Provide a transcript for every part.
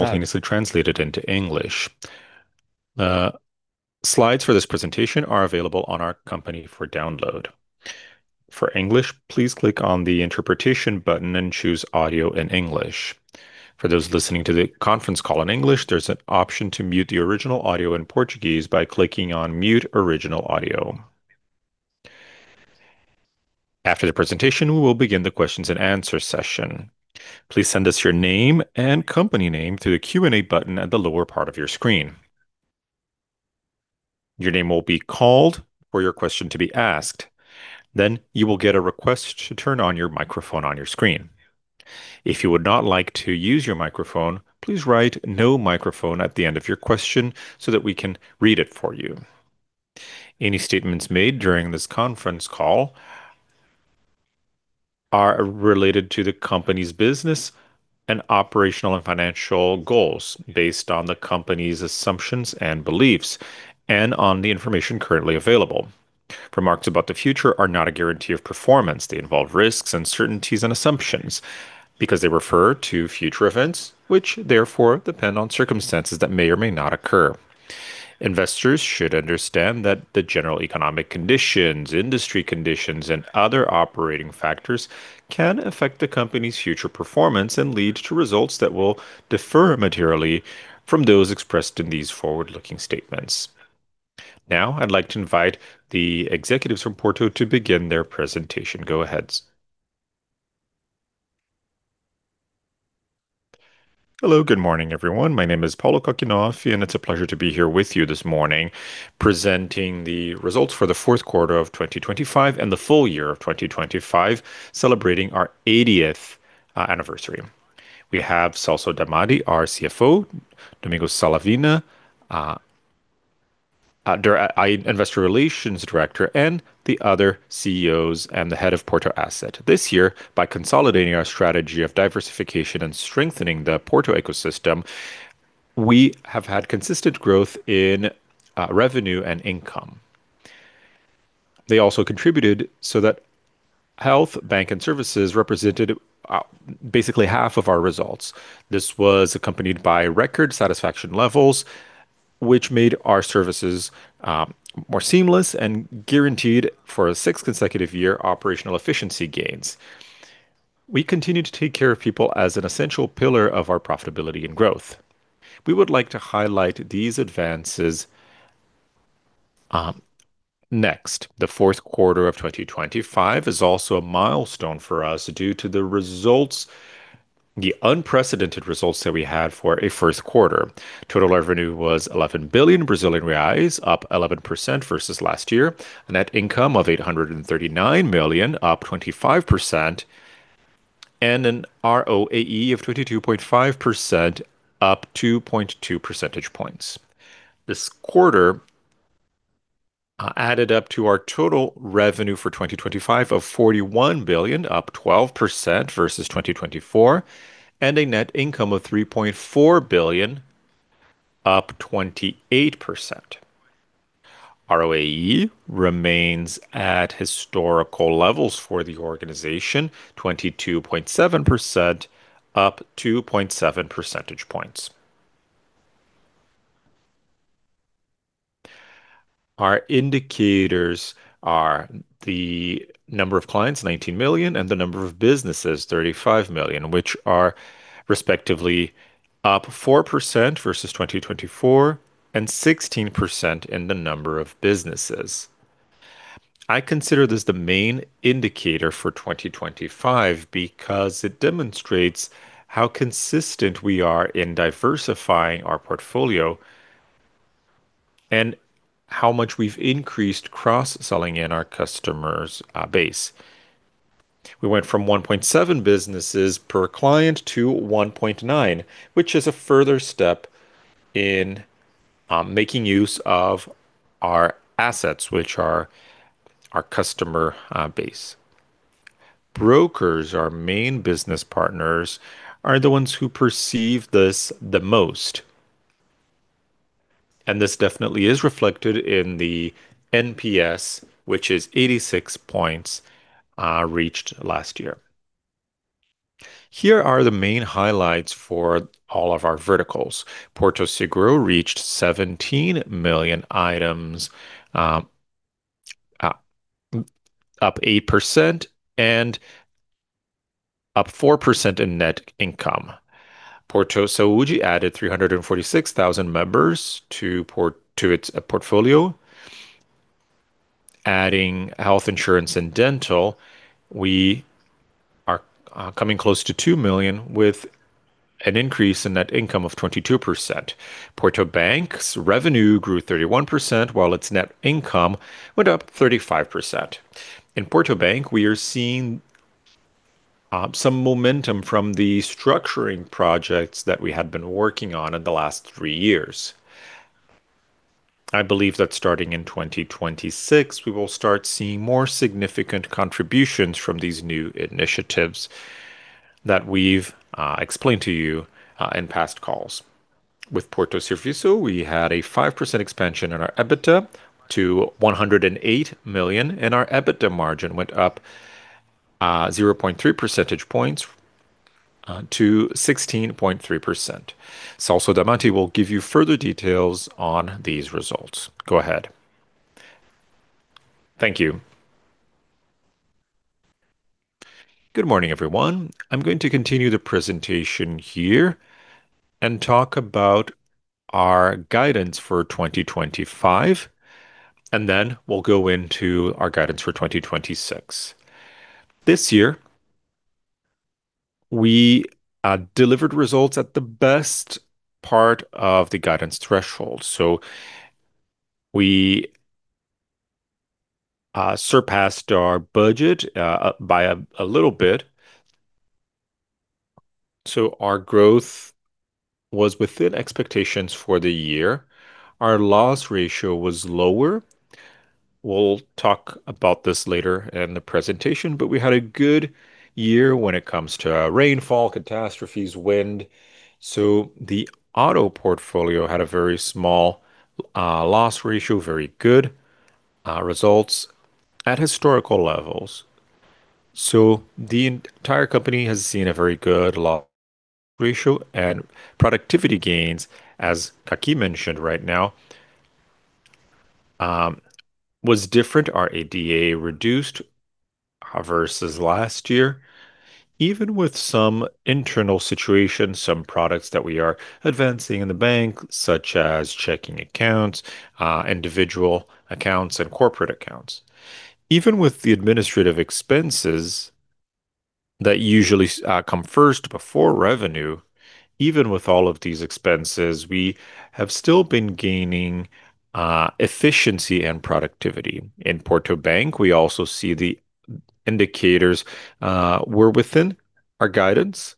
Simultaneously translated into English. Slides for this presentation are available on our company for download. For English, please click on the interpretation button and choose Audio in English. For those listening to the conference call in English, there's an option to mute the original audio in Portuguese by clicking on Mute Original Audio. After the presentation, we will begin the questions and answer session. Please send us your name and company name through the Q&A button at the lower part of your screen. Your name will be called for your question to be asked, then you will get a request to turn on your microphone on your screen. If you would not like to use your microphone, please write "no microphone" at the end of your question so that we can read it for you. Any statements made during this conference call are related to the company's business and operational and financial goals based on the company's assumptions and beliefs, and on the information currently available. Remarks about the future are not a guarantee of performance. They involve risks, uncertainties, and assumptions because they refer to future events, which therefore depend on circumstances that may or may not occur. Investors should understand that the general economic conditions, industry conditions, and other operating factors can affect the company's future performance and lead to results that will differ materially from those expressed in these forward-looking statements. Now, I'd like to invite the executives from Porto to begin their presentation. Go ahead. Hello, good morning, everyone. My name is Paulo Kakinoff, and it's a pleasure to be here with you this morning, presenting the Results for the Fourth Quarter of 2025 and the Full Year of 2025, celebrating our 80th Anniversary. We have Celso Damadi, our CFO, Domingos Falavina, Director of Investor Relations, and the other CEOs and the head of Porto Asset. This year, by consolidating our strategy of diversification and strengthening the Porto ecosystem, we have had consistent growth in revenue and income. They also contributed so that health, bank, and services represented basically half of our results. This was accompanied by record satisfaction levels, which made our services more seamless and guaranteed for a 6th consecutive year, operational efficiency gains. We continue to take care of people as an essential pillar of our profitability and growth. We would like to highlight these advances next. The fourth quarter of 2025 is also a milestone for us due to the results, the unprecedented results that we had for a first quarter. Total revenue was 11 billion Brazilian reais, up 11% versus last year, a net income of 839 million, up 25%, and an ROAE of 22.5%, up 2.2 percentage points. This quarter added up to our total revenue for 2025 of 41 billion, up 12% versus 2024, and a net income of 3.4 billion, up 28%. ROAE remains at historical levels for the organization, 22.7%, up 2.7 percentage points. Our indicators are the number of clients, 19 million, and the number of businesses, 35 million, which are respectively up 4% versus 2024 and 16% in the number of businesses. I consider this the main indicator for 2025 because it demonstrates how consistent we are in diversifying our portfolio and how much we've increased cross-selling in our customers' base. We went from 1.7 businesses per client to 1.9, which is a further step in making use of our assets, which are our customer base. Brokers, our main business partners, are the ones who perceive this the most, and this definitely is reflected in the NPS, which is 86 points reached last year. Here are the main highlights for all of our verticals. Porto Seguro reached 17 million items, up 8% and up 4% in net income. Porto Saúde added 346,000 members to its portfolio. Adding health insurance and dental, we are coming close to 2 million, with an increase in net income of 22%. Porto Bank's revenue grew 31%, while its net income went up 35%. In Porto Bank, we are seeing some momentum from the structuring projects that we have been working on in the last three years. I believe that starting in 2026, we will start seeing more significant contributions from these new initiatives that we've explained to you in past calls. With Porto Serviços, we had a 5% expansion in our EBITDA to 108 million, and our EBITDA margin went up-... 0.3 percentage points to 16.3%. Celso Damadi will give you further details on these results. Go ahead. Thank you. Good morning, everyone. I'm going to continue the presentation here and talk about our guidance for 2025, and then we'll go into our guidance for 2026. This year, we delivered results at the best part of the guidance threshold. So we surpassed our budget by a little bit. So our growth was within expectations for the year. Our loss ratio was lower. We'll talk about this later in the presentation, but we had a good year when it comes to rainfall, catastrophes, wind. So the auto portfolio had a very small loss ratio, very good results at historical levels. So the entire company has seen a very good loss ratio and productivity gains, as Kaki mentioned right now, was different. Our ADA reduced versus last year, even with some internal situations, some products that we are advancing in the bank, such as checking accounts, individual accounts, and corporate accounts. Even with the administrative expenses that usually come first before revenue, even with all of these expenses, we have still been gaining efficiency and productivity. In Porto Bank, we also see the indicators were within our guidance,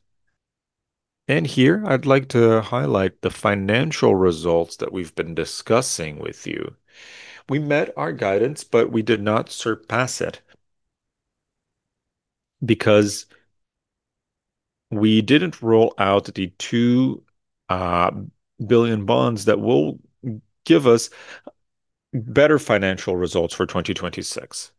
and here I'd like to highlight the financial results that we've been discussing with you. We met our guidance, but we did not surpass it because we didn't roll out the 2 billion bonds that will give us better financial results for 2026.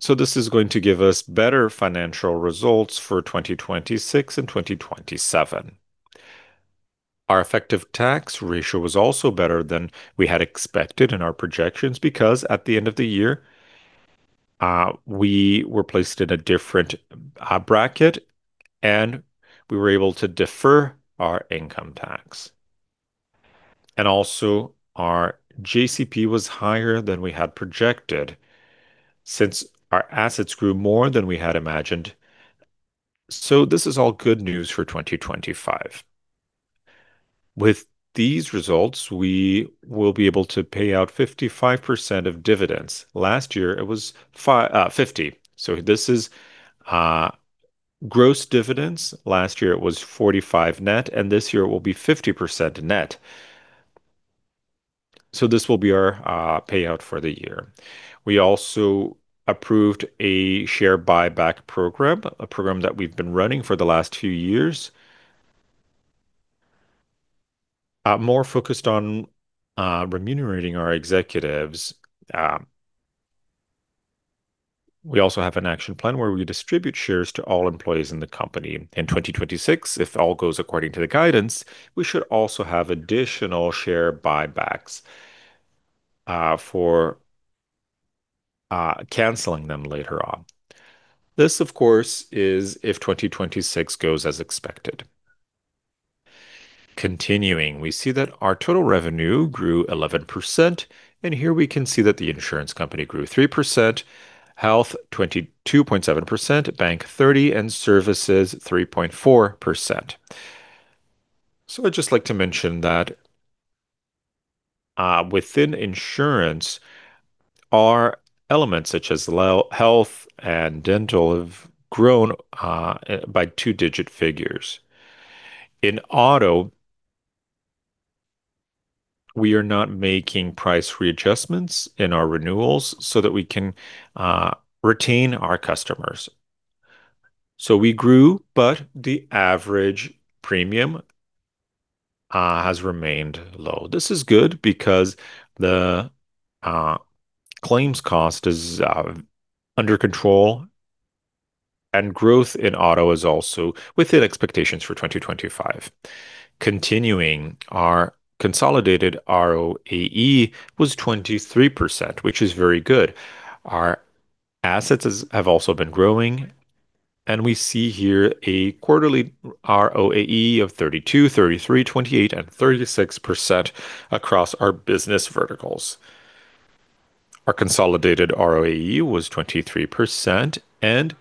So this is going to give us better financial results for 2026 and 2027. Our effective tax ratio was also better than we had expected in our projections, because at the end of the year, we were placed in a different bracket, and we were able to defer our income tax. And also, our JCP was higher than we had projected since our assets grew more than we had imagined. So this is all good news for 2025. With these results, we will be able to pay out 55% of dividends. Last year it was 50. So this is gross dividends. Last year it was 45 net, and this year it will be 50% net. So this will be our payout for the year. We also approved a share buyback program, a program that we've been running for the last two years, more focused on, remunerating our executives. We also have an action plan where we distribute shares to all employees in the company. In 2026, if all goes according to the guidance, we should also have additional share buybacks, for, canceling them later on. This, of course, is if 2026 goes as expected. Continuing, we see that our total revenue grew 11%, and here we can see that the insurance company grew 3%, health 22.7%, bank 30%, and services 3.4%. So I'd just like to mention that, within insurance, our elements such as health and dental have grown, by two-digit figures. In auto, we are not making price readjustments in our renewals so that we can retain our customers. So we grew, but the average premium has remained low. This is good because the claims cost is under control, and growth in auto is also within expectations for 2025. Continuing, our consolidated ROAE was 23%, which is very good. Our assets has, have also been growing, and we see here a quarterly ROAE of 32, 33, 28, and 36% across our business verticals. Our consolidated ROAE was 23%, and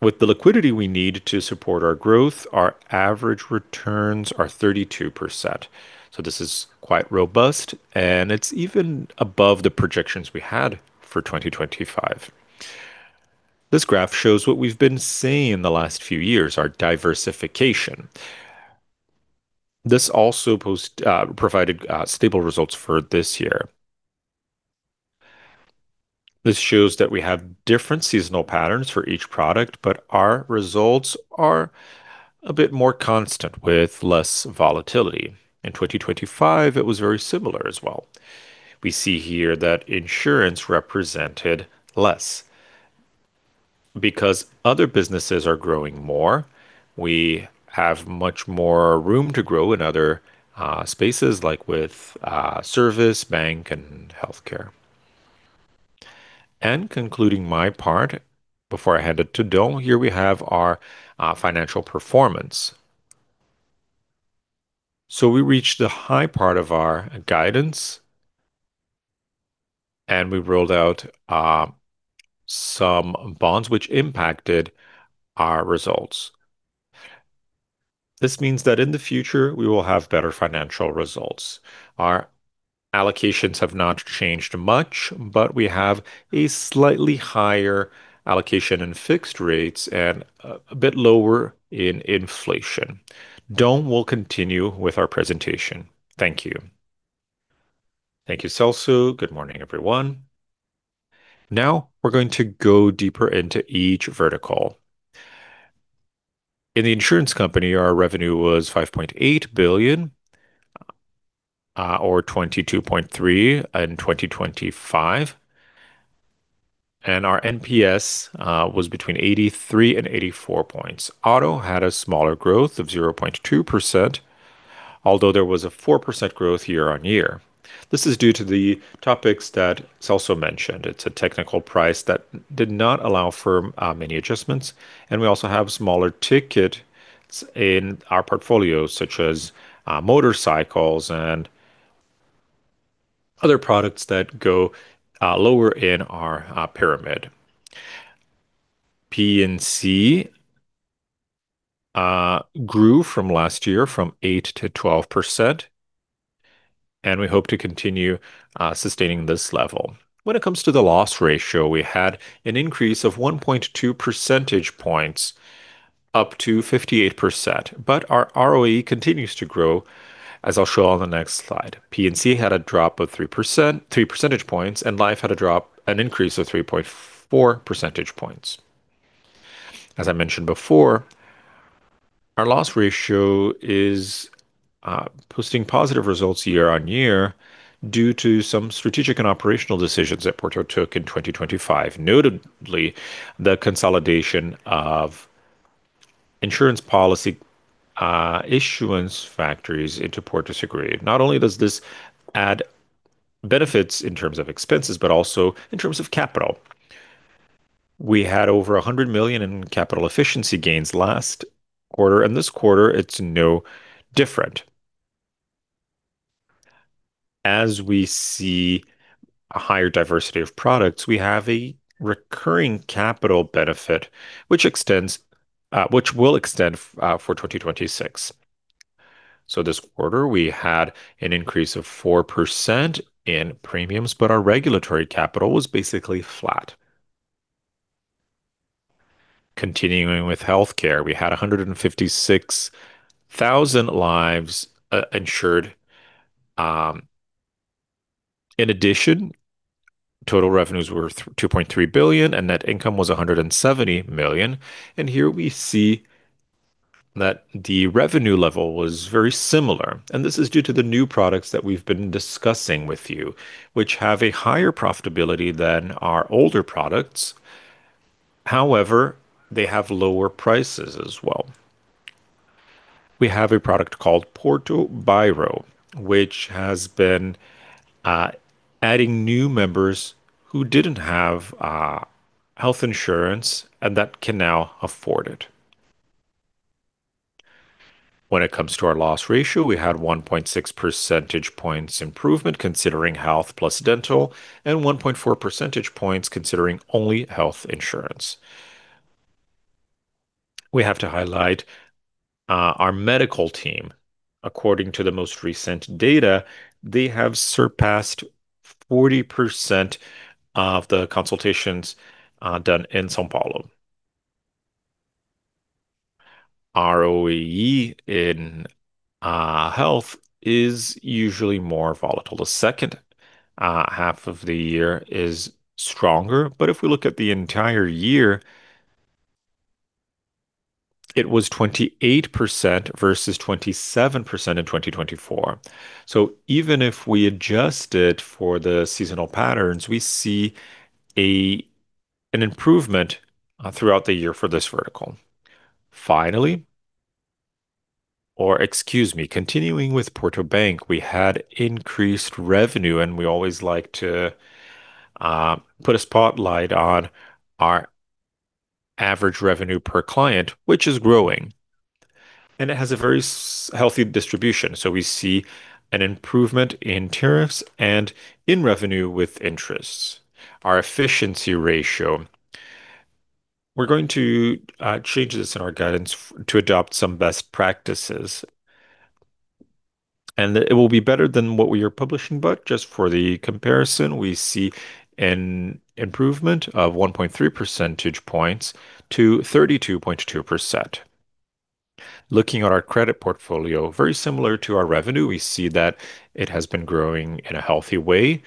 with the liquidity we need to support our growth, our average returns are 32%. So this is quite robust, and it's even above the projections we had for 2025. This graph shows what we've been seeing in the last few years, our diversification. This also provided stable results for this year. This shows that we have different seasonal patterns for each product, but our results are a bit more constant, with less volatility. In 2025, it was very similar as well. We see here that insurance represented less. Because other businesses are growing more, we have much more room to grow in other spaces, like with service, bank, and healthcare. Concluding my part before I hand it to Dom, here we have our financial performance. We reached the high part of our guidance, and we rolled out some bonds which impacted our results. This means that in the future, we will have better financial results. Our allocations have not changed much, but we have a slightly higher allocation in fixed rates and a bit lower in inflation. Dom will continue with our presentation. Thank you. Thank you, Celso. Good morning, everyone. Now we're going to go deeper into each vertical. In the insurance company, our revenue was 5.8 billion or 22.3 in 2025, and our NPS was between 83 and 84 points. Auto had a smaller growth of 0.2%, although there was a 4% growth year-on-year. This is due to the topics that Celso mentioned. It's a technical price that did not allow for many adjustments, and we also have smaller ticket in our portfolio, such as motorcycles and other products that go lower in our pyramid. P&C grew from last year from 8%-12%, and we hope to continue sustaining this level. When it comes to the loss ratio, we had an increase of 1.2 percentage points, up to 58%, but our ROE continues to grow, as I'll show on the next slide. P&C had a drop of three percentage points, and Life had an increase of 3.4 percentage points. As I mentioned before, our loss ratio is posting positive results year-on-year due to some strategic and operational decisions that Porto took in 2025, notably the consolidation of insurance policy issuance factories into Porto Seguro. Not only does this add benefits in terms of expenses, but also in terms of capital. We had over 100 million in capital efficiency gains last quarter, and this quarter, it's no different. As we see a higher diversity of products, we have a recurring capital benefit, which extends, which will extend, for 2026. So this quarter, we had an increase of 4% in premiums, but our regulatory capital was basically flat. Continuing with healthcare, we had 156,000 lives insured. In addition, total revenues were 2.3 billion, and net income was 170 million, and here we see that the revenue level was very similar, and this is due to the new products that we've been discussing with you, which have a higher profitability than our older products. However, they have lower prices as well. We have a product called Porto Bairro, which has been adding new members who didn't have health insurance and that can now afford it. When it comes to our loss ratio, we had 1.6 percentage points improvement, considering health plus dental, and 1.4 percentage points, considering only health insurance. We have to highlight our medical team. According to the most recent data, they have surpassed 40% of the consultations done in São Paulo. ROAE in health is usually more volatile. The second half of the year is stronger, but if we look at the entire year, it was 28% versus 27% in 2024. So even if we adjusted for the seasonal patterns, we see an improvement throughout the year for this vertical. Finally... Or excuse me, continuing with Porto Bank, we had increased revenue, and we always like to put a spotlight on our average revenue per client, which is growing, and it has a very healthy distribution. So we see an improvement in tariffs and in revenue with interests. Our efficiency ratio, we're going to change this in our guidance to adopt some best practices, and it will be better than what we are publishing. But just for the comparison, we see an improvement of 1.3 percentage points to 32.2%.... Looking at our credit portfolio, very similar to our revenue, we see that it has been growing in a healthy way,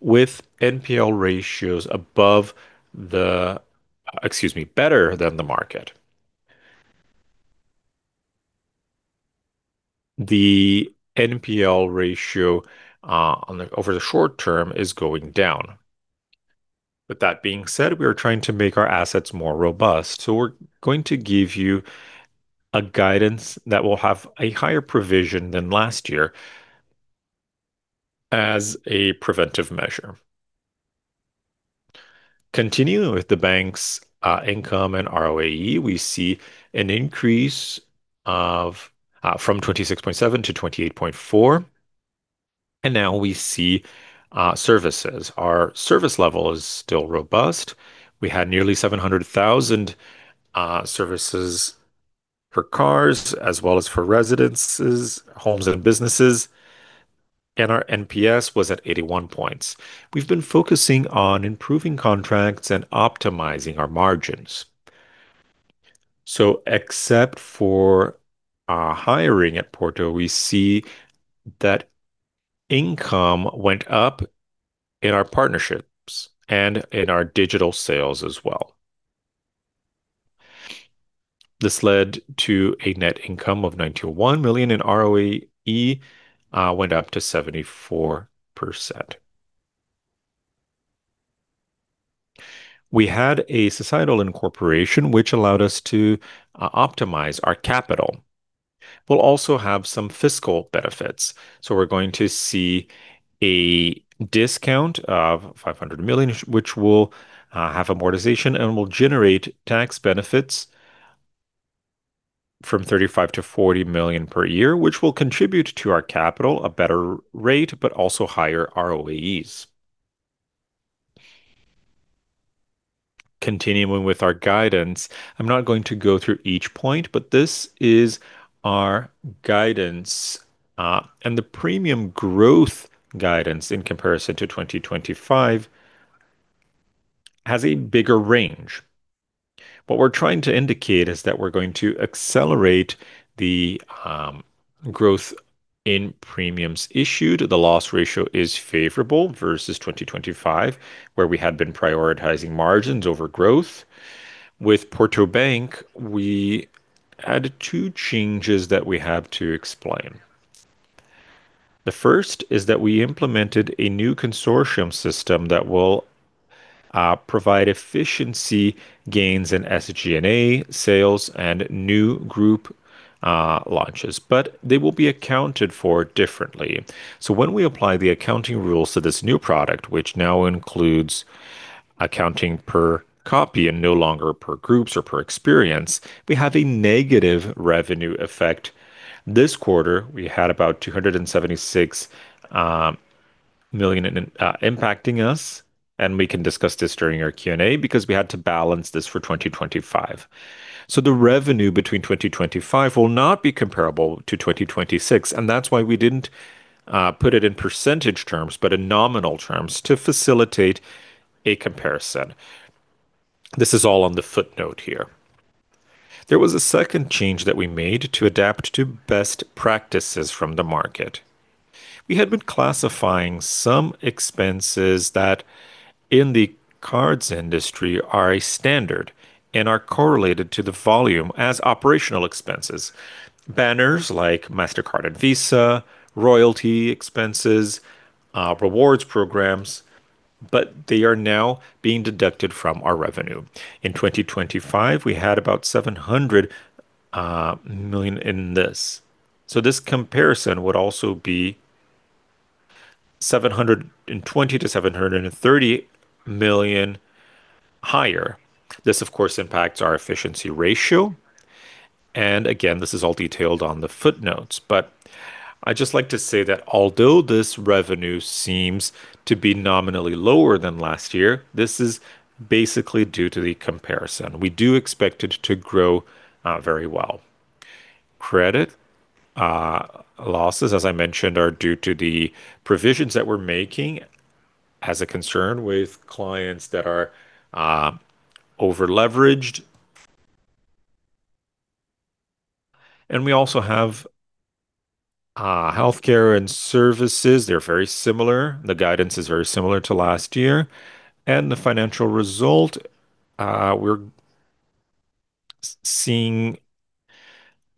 with NPL ratios above the, excuse me, better than the market. The NPL ratio, on the, over the short term is going down. But that being said, we are trying to make our assets more robust, so we're going to give you a guidance that will have a higher provision than last year as a preventive measure. Continuing with the bank's income and ROAE, we see an increase from 26.7 to 28.4, and now we see services. Our service level is still robust. We had nearly 700,000 services for cars as well as for residences, homes, and businesses, and our NPS was at 81 points. We've been focusing on improving contracts and optimizing our margins. So except for our hiring at Porto, we see that income went up in our partnerships and in our digital sales as well. This led to a net income of 91 million, and ROAE went up to 74%. We had a societal incorporation, which allowed us to optimize our capital. We'll also have some fiscal benefits, so we're going to see a discount of 500 million, which will have amortization and will generate tax benefits from 35 million-40 million per year, which will contribute to our capital, a better rate, but also higher ROAEs. Continuing with our guidance, I'm not going to go through each point, but this is our guidance. The premium growth guidance in comparison to 2025 has a bigger range. What we're trying to indicate is that we're going to accelerate the growth in premiums issued. The loss ratio is favorable versus 2025, where we had been prioritizing margins over growth. With Porto Bank, we had two changes that we have to explain. The first is that we implemented a new consortium system that will provide efficiency gains in SG&A, sales, and new group launches, but they will be accounted for differently. So when we apply the accounting rules to this new product, which now includes accounting per copy and no longer per groups or per experience, we have a negative revenue effect. This quarter, we had about 276 million impacting us, and we can discuss this during our Q&A because we had to balance this for 2025. So the revenue between 2025 will not be comparable to 2026, and that's why we didn't put it in percentage terms, but in nominal terms to facilitate a comparison. This is all on the footnote here. There was a second change that we made to adapt to best practices from the market. We had been classifying some expenses that in the cards industry are a standard and are correlated to the volume as operational expenses. Banners like Mastercard and Visa, royalty expenses, rewards programs, but they are now being deducted from our revenue. In 2025, we had about 700 million in this. So this comparison would also be 720 million-730 million higher. This, of course, impacts our efficiency ratio, and again, this is all detailed on the footnotes. But I'd just like to say that although this revenue seems to be nominally lower than last year, this is basically due to the comparison. We do expect it to grow very well. Credit losses, as I mentioned, are due to the provisions that we're making as a concern with clients that are over-leveraged. And we also have healthcare and services. They're very similar. The guidance is very similar to last year. And the financial result, we're seeing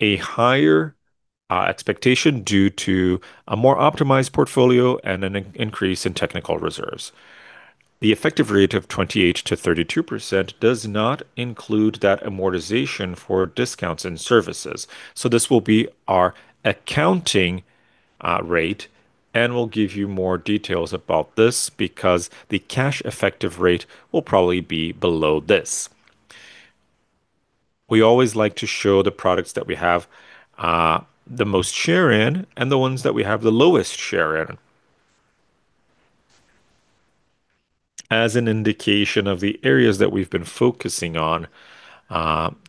a higher expectation due to a more optimized portfolio and an increase in technical reserves. The effective rate of 28%-32% does not include that amortization for discounts and services, so this will be our accounting rate, and we'll give you more details about this because the cash effective rate will probably be below this. We always like to show the products that we have the most share in and the ones that we have the lowest share in as an indication of the areas that we've been focusing on.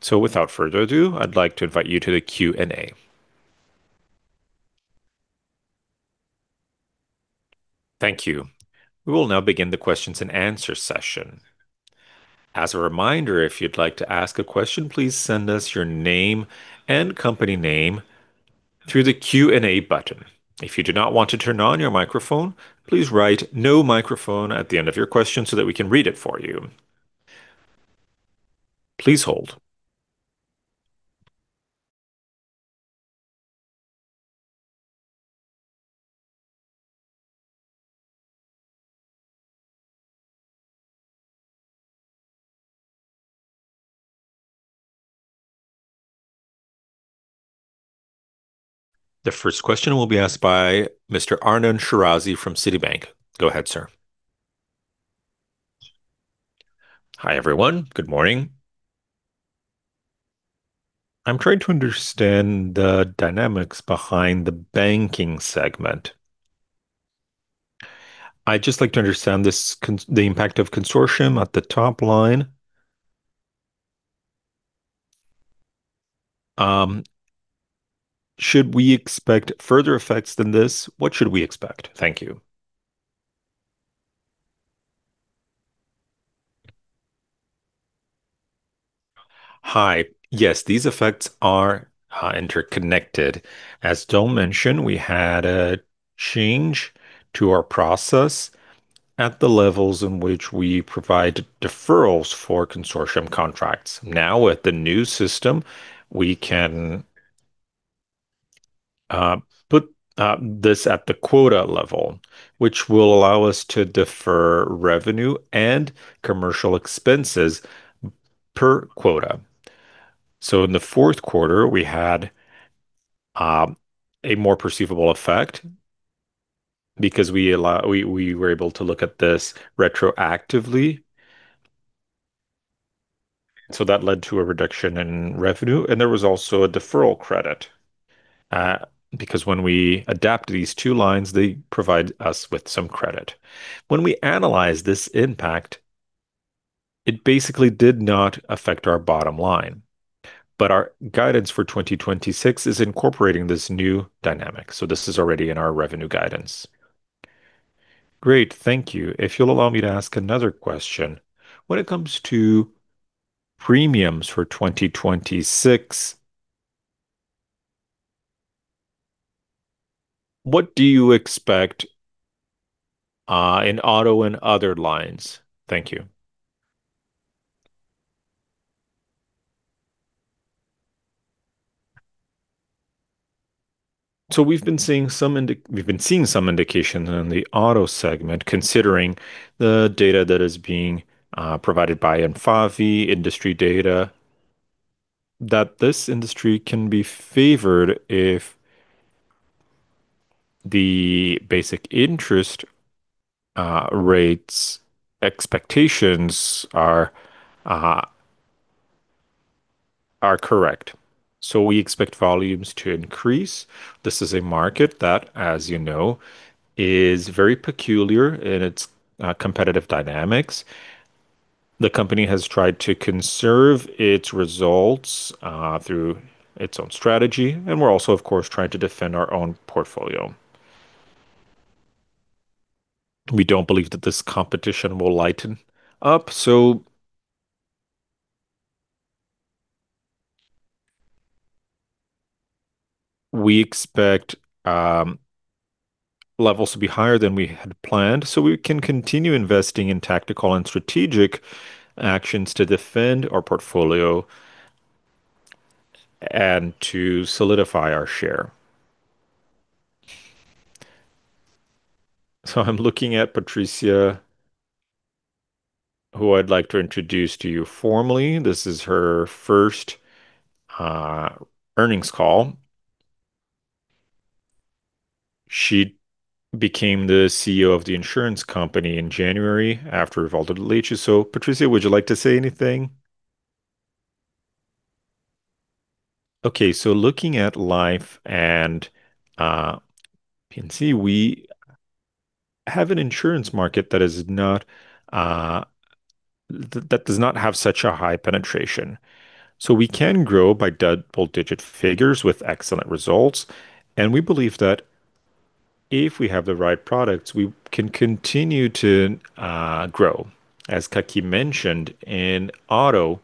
So without further ado, I'd like to invite you to the Q&A. Thank you. We will now begin the questions and answer session. As a reminder, if you'd like to ask a question, please send us your name and company name through the Q&A button. If you do not want to turn on your microphone, please write "no microphone" at the end of your question so that we can read it for you. Please hold. The first question will be asked by Mr. Arnon Shirazi from Citibank. Go ahead, sir. Hi, everyone. Good morning. I'm trying to understand the dynamics behind the banking segment. I'd just like to understand the impact of consortium at the top line. Should we expect further effects than this? What should we expect? Thank you. Hi. Yes, these effects are interconnected. As Dom mentioned, we had a change to our process at the levels in which we provide deferrals for consortium contracts. Now, with the new system, we can put this at the quota level, which will allow us to defer revenue and commercial expenses per quota. So in the fourth quarter, we had a more perceivable effect because we were able to look at this retroactively. So that led to a reduction in revenue, and there was also a deferral credit because when we adapt these two lines, they provide us with some credit. When we analyze this impact, it basically did not affect our bottom line, but our guidance for 2026 is incorporating this new dynamic, so this is already in our revenue guidance. Great. Thank you. If you'll allow me to ask another question. When it comes to premiums for 2026, what do you expect in auto and other lines? Thank you. So we've been seeing some indic...We've been seeing some indications in the auto segment, considering the data that is being provided by ANFAVEA industry data, that this industry can be favored if the basic interest rates expectations are correct. So we expect volumes to increase. This is a market that, as you know, is very peculiar in its competitive dynamics. The company has tried to conserve its results through its own strategy, and we're also, of course, trying to defend our own portfolio. We don't believe that this competition will lighten up, so we expect levels to be higher than we had planned, so we can continue investing in tactical and strategic actions to defend our portfolio and to solidify our share. So I'm looking at Patricia, who I'd like to introduce to you formally. This is her first earnings call. She became the CEO of the insurance company in January after Rivaldo Leite. So, Patricia, would you like to say anything? Okay, so looking at Life and P&C, we have an insurance market that is not that does not have such a high penetration. So we can grow by double-digit figures with excellent results, and we believe that if we have the right products, we can continue to grow. As Kakinoff mentioned, in auto,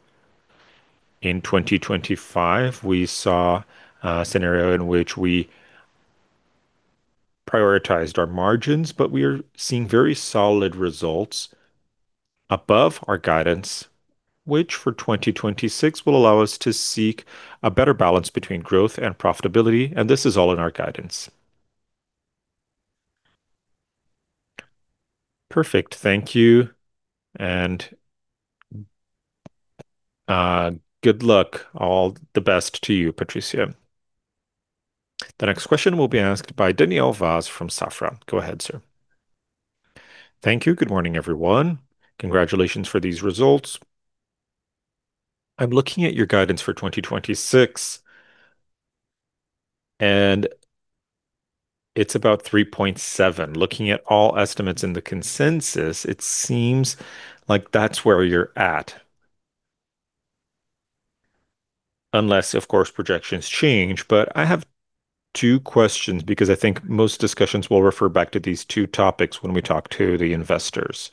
in 2025, we saw a scenario in which we prioritized our margins, but we are seeing very solid results above our guidance, which for 2026, will allow us to seek a better balance between growth and profitability, and this is all in our guidance. Perfect. Thank you, and good luck. All the best to you, Patricia. The next question will be asked by Daniel Vaz from Safra. Go ahead, sir. Thank you. Good morning, everyone. Congratulations for these results. I'm looking at your guidance for 2026, and it's about 3.7. Looking at all estimates in the consensus, it seems like that's where you're at... unless, of course, projections change. But I have two questions, because I think most discussions will refer back to these two topics when we talk to the investors.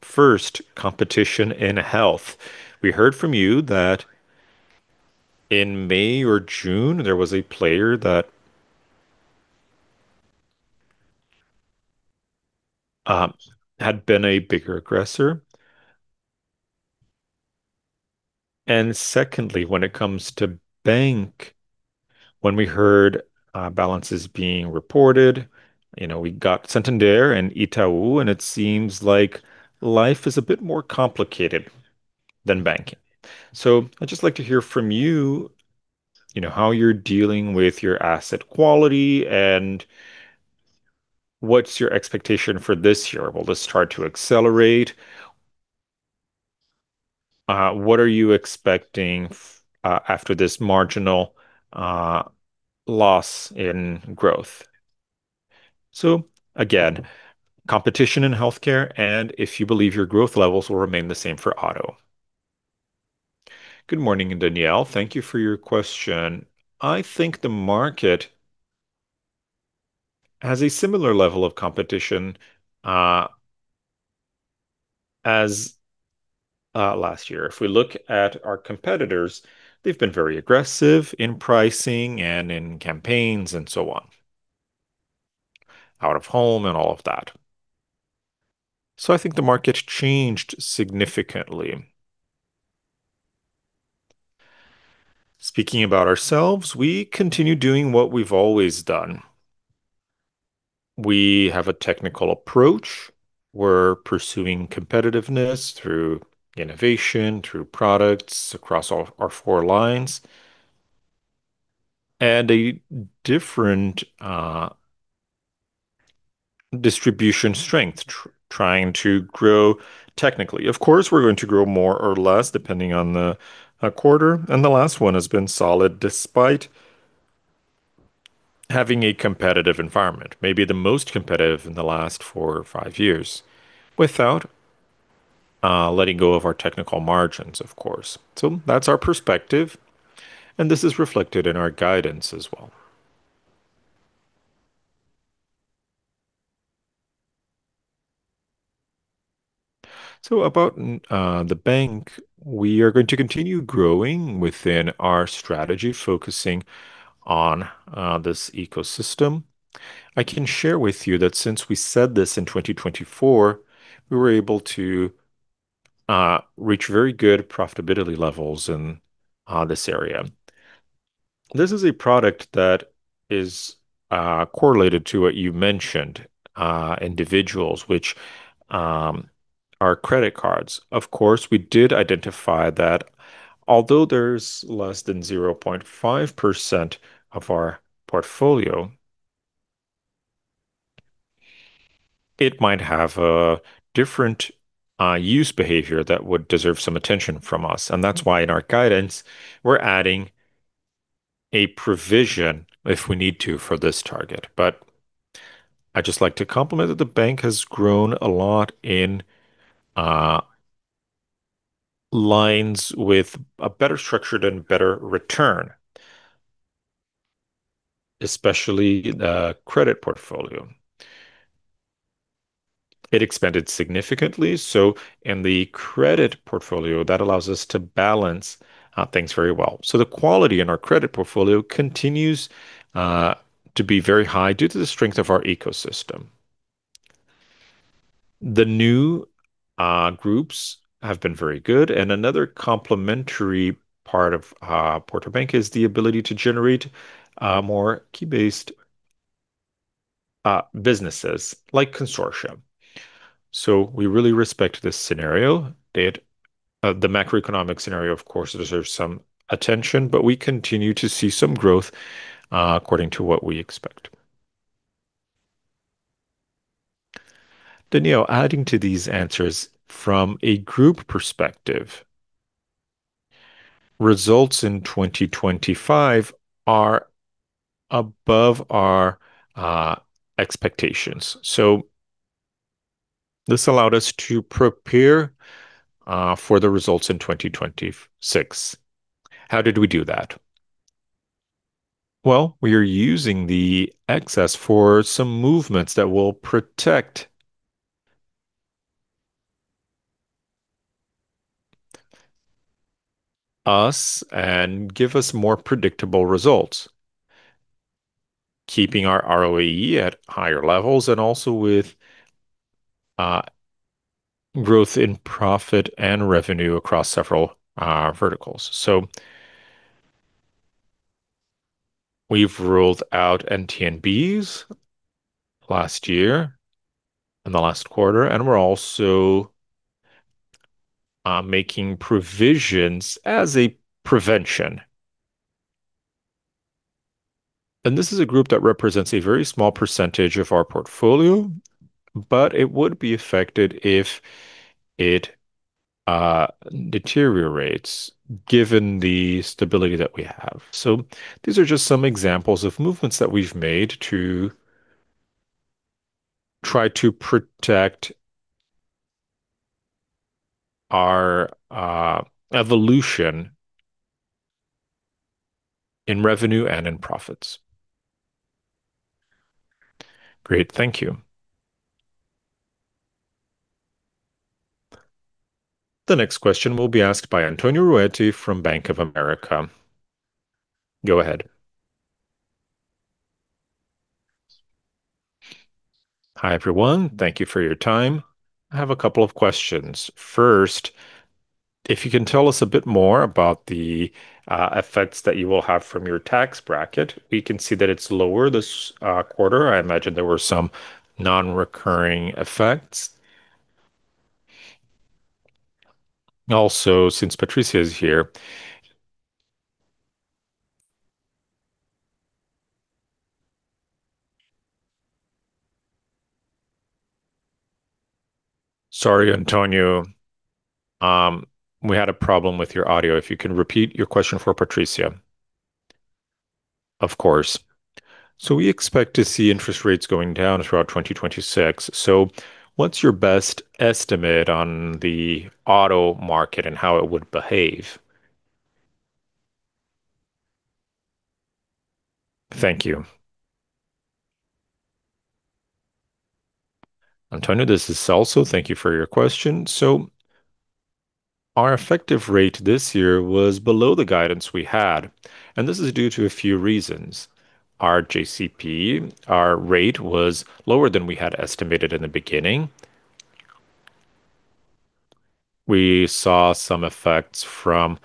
First, competition in health. We heard from you that in May or June, there was a player that had been a bigger aggressor. And secondly, when it comes to bank, when we heard balances being reported, you know, we got Santander and Itaú, and it seems like life is a bit more complicated than banking. So I'd just like to hear from you, you know, how you're dealing with your asset quality, and what's your expectation for this year? Will this start to accelerate? What are you expecting after this marginal loss in growth? So again, competition in healthcare, and if you believe your growth levels will remain the same for auto. Good morning, Daniel. Thank you for your question. I think the market has a similar level of competition as last year. If we look at our competitors, they've been very aggressive in pricing and in campaigns and so on, out of home and all of that. So I think the market changed significantly. Speaking about ourselves, we continue doing what we've always done. We have a technical approach. We're pursuing competitiveness through innovation, through products across all our four lines, and a different distribution strength, trying to grow technically. Of course, we're going to grow more or less, depending on the quarter, and the last one has been solid, despite having a competitive environment, maybe the most competitive in the last 4 or 5 years, without letting go of our technical margins, of course. So that's our perspective, and this is reflected in our guidance as well. So about the bank, we are going to continue growing within our strategy, focusing on this ecosystem. I can share with you that since we said this in 2024, we were able to reach very good profitability levels in this area. This is a product that is correlated to what you mentioned, individuals, which are credit cards. Of course, we did identify that although there's less than 0.5% of our portfolio, it might have a different, use behavior that would deserve some attention from us. And that's why in our guidance, we're adding a provision if we need to, for this target. But I'd just like to compliment that the bank has grown a lot in, lines with a better structured and better return, especially the credit portfolio. It expanded significantly, so in the credit portfolio, that allows us to balance, things very well. So the quality in our credit portfolio continues, to be very high due to the strength of our ecosystem. The new, groups have been very good, and another complementary part of, Porto Bank is the ability to generate, more key-based, businesses like Consortia. So we really respect this scenario. The macroeconomic scenario, of course, deserves some attention, but we continue to see some growth according to what we expect. Danielle, adding to these answers from a group perspective, results in 2025 are above our expectations. So this allowed us to prepare for the results in 2026. How did we do that? Well, we are using the excess for some movements that will protect us and give us more predictable results, keeping our ROE at higher levels, and also with growth in profit and revenue across several verticals. So we've ruled out NTN-Bs last year in the last quarter, and we're also making provisions as a prevention. And this is a group that represents a very small percentage of our portfolio, but it would be affected if it deteriorates, given the stability that we have. So these are just some examples of movements that we've made to try to protect our evolution in revenue and in profits. Great. Thank you. The next question will be asked by Antonio Ruette from Bank of America. Go ahead. Hi, everyone. Thank you for your time. I have a couple of questions. First, if you can tell us a bit more about the effects that you will have from your tax bracket. We can see that it's lower this quarter. I imagine there were some non-recurring effects. Also, since Patricia is here—Sorry, Antonio, we had a problem with your audio. If you can repeat your question for Patricia. Of course. So we expect to see interest rates going down throughout 2026. So what's your best estimate on the auto market and how it would behave? Thank you. Antonio, this is Celso. Thank you for your question. So our effective rate this year was below the guidance we had, and this is due to a few reasons. Our JCP, our rate, was lower than we had estimated in the beginning. We saw some effects from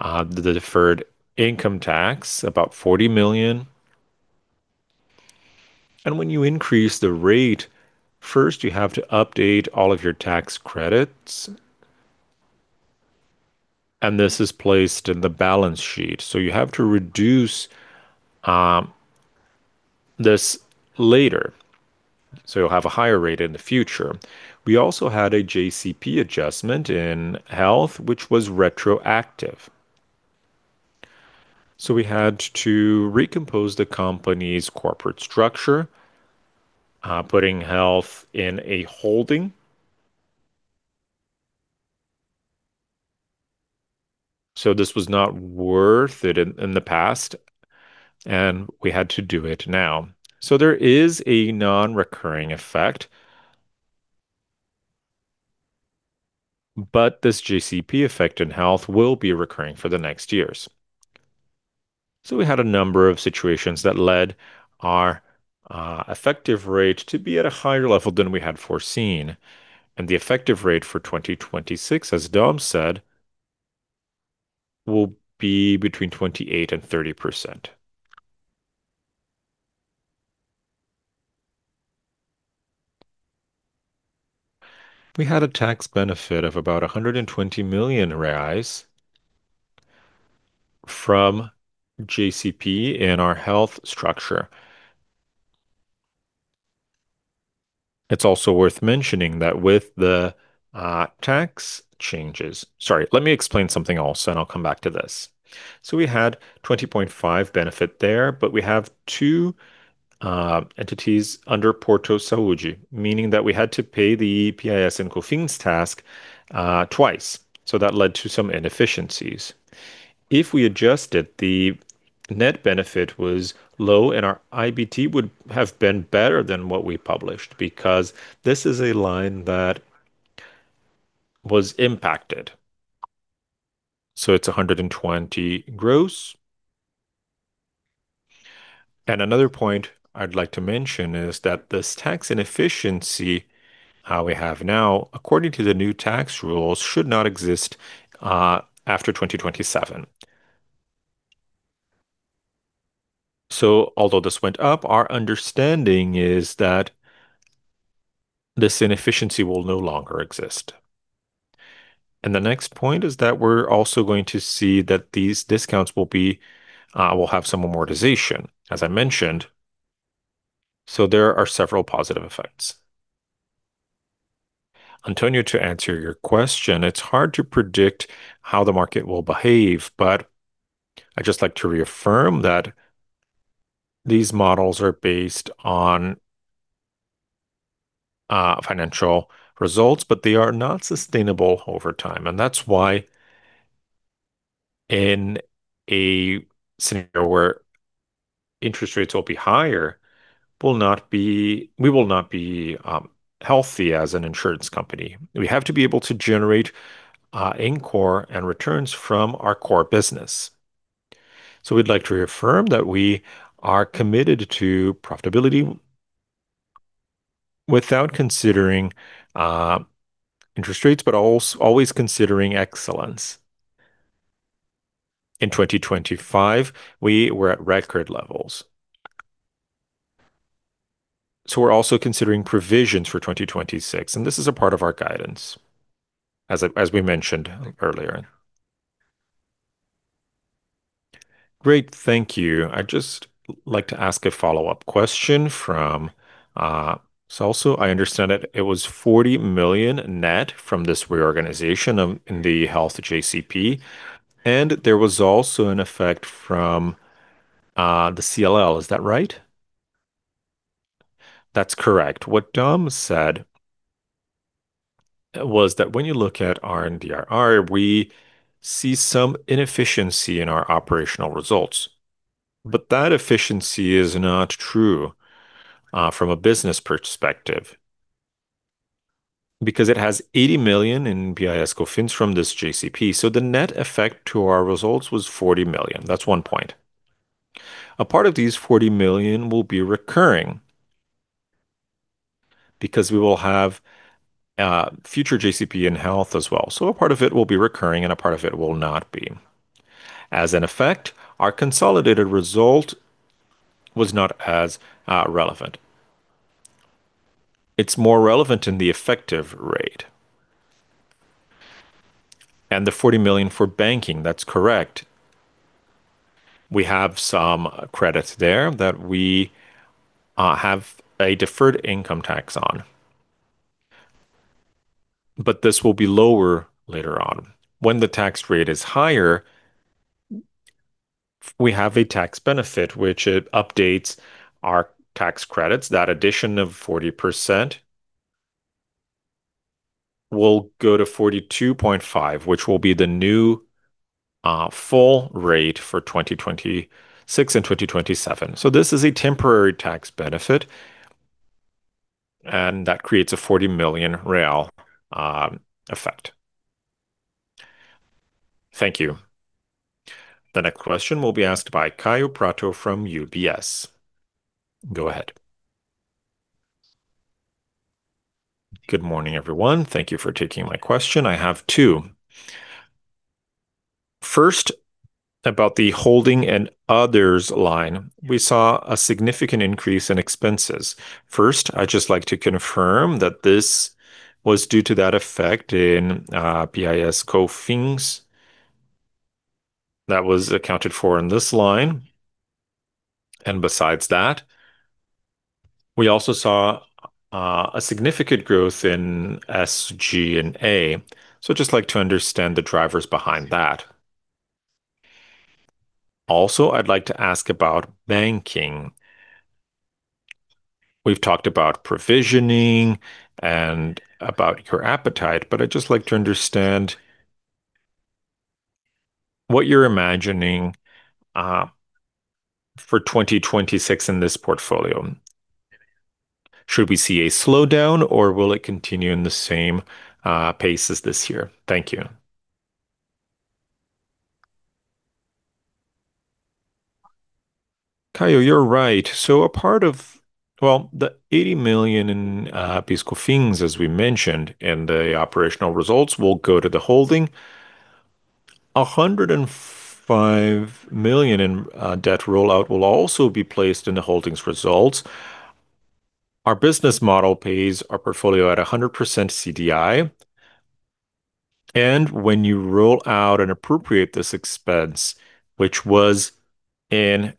the deferred income tax, about 40 million. And when you increase the rate, first you have to update all of your tax credits, and this is placed in the balance sheet. So you have to reduce this later, so you'll have a higher rate in the future. We also had a JCP adjustment in health, which was retroactive. So we had to recompose the company's corporate structure, putting health in a holding. So this was not worth it in the past, and we had to do it now. So there is a non-recurring effect, but this JCP effect in health will be recurring for the next years. So we had a number of situations that led our effective rate to be at a higher level than we had foreseen, and the effective rate for 2026, as Dom said, will be between 28% and 30%. We had a tax benefit of about 120 million reais from JCP in our health structure. It's also worth mentioning that with the tax changes... Sorry, let me explain something else, and I'll come back to this. So we had 20.5 benefit there, but we have two entities under Porto Saúde, meaning that we had to pay the PIS/COFINS tax twice, so that led to some inefficiencies. If we adjusted, the net benefit was low, and our IBT would have been better than what we published, because this is a line that was impacted. So it's 120 gross. And another point I'd like to mention is that this tax inefficiency we have now, according to the new tax rules, should not exist after 2027. So although this went up, our understanding is that this inefficiency will no longer exist. And the next point is that we're also going to see that these discounts will have some amortization, as I mentioned. So there are several positive effects. Antonio, to answer your question, it's hard to predict how the market will behave, but I'd just like to reaffirm that these models are based on financial results, but they are not sustainable over time. That's why in a scenario where interest rates will be higher, we will not be healthy as an insurance company. We have to be able to generate income and returns from our core business. So we'd like to reaffirm that we are committed to profitability without considering interest rates, but always considering excellence. In 2025, we were at record levels. So we're also considering provisions for 2026, and this is a part of our guidance, as we mentioned earlier. Great. Thank you. I'd just like to ask a follow-up question from Celso. I understand it was 40 million net from this reorganization in the health JCP, and there was also an effect from the CLL. Is that right? That's correct. What Dom said was that when you look at R&DRE, we see some inefficiency in our operational results. But that efficiency is not true from a business perspective, because it has 80 million in PIS/COFINS from this JCP. So the net effect to our results was 40 million. That's one point. A part of these 40 million will be recurring, because we will have future JCP in health as well. So a part of it will be recurring, and a part of it will not be. As an effect, our consolidated result was not as relevant. It's more relevant in the effective rate. And the 40 million for banking, that's correct. We have some credits there that we have a deferred income tax on, but this will be lower later on. When the tax rate is higher, we have a tax benefit, which it updates our tax credits. That addition of 40% will go to 42.5%, which will be the new full rate for 2026 and 2027. So this is a temporary tax benefit, and that creates a 40 million real effect. Thank you. The next question will be asked by Kaio Prato from UBS. Go ahead. Good morning, everyone. Thank you for taking my question. I have two. First, about the holding and others line, we saw a significant increase in expenses. First, I'd just like to confirm that this was due to that effect in PIS/COFINS that was accounted for in this line. And besides that, we also saw a significant growth in SG&A. So I'd just like to understand the drivers behind that. Also, I'd like to ask about banking. We've talked about provisioning and about your appetite, but I'd just like to understand what you're imagining for 2026 in this portfolio. Should we see a slowdown, or will it continue in the same pace as this year? Thank you. Kaio, you're right. So a part of... Well, the 80 million in PIS/COFINS, as we mentioned, in the operational results will go to the holding. 105 million in debt rollout will also be placed in the holdings results. Our business model pays our portfolio at 100% CDI, and when you roll out and appropriate this expense, which was in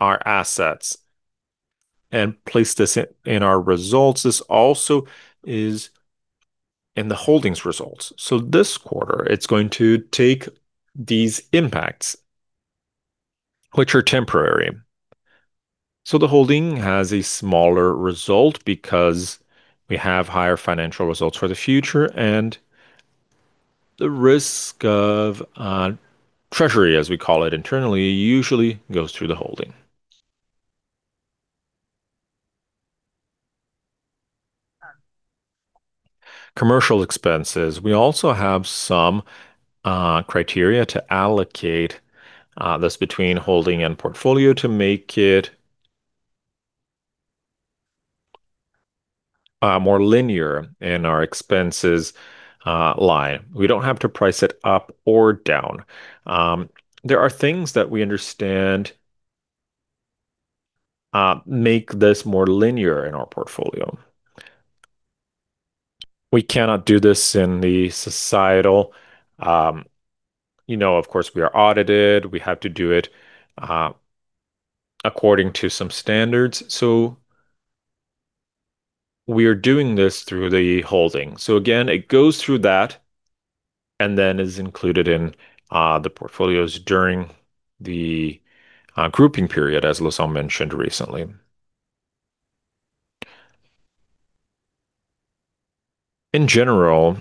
our assets, and place this in our results, this also is in the holdings results. So this quarter, it's going to take these impacts, which are temporary. So the holding has a smaller result because we have higher financial results for the future, and the risk of treasury, as we call it internally, usually goes through the holding. Commercial expenses. We also have some criteria to allocate this between holding and portfolio to make it more linear in our expenses line. We don't have to price it up or down. There are things that we understand make this more linear in our portfolio. We cannot do this in the subsidiaries, you know, of course, we are audited. We have to do it according to some standards, so we are doing this through the holding. So again, it goes through that and then is included in the portfolios during the grouping period, as Loução mentioned recently. In general,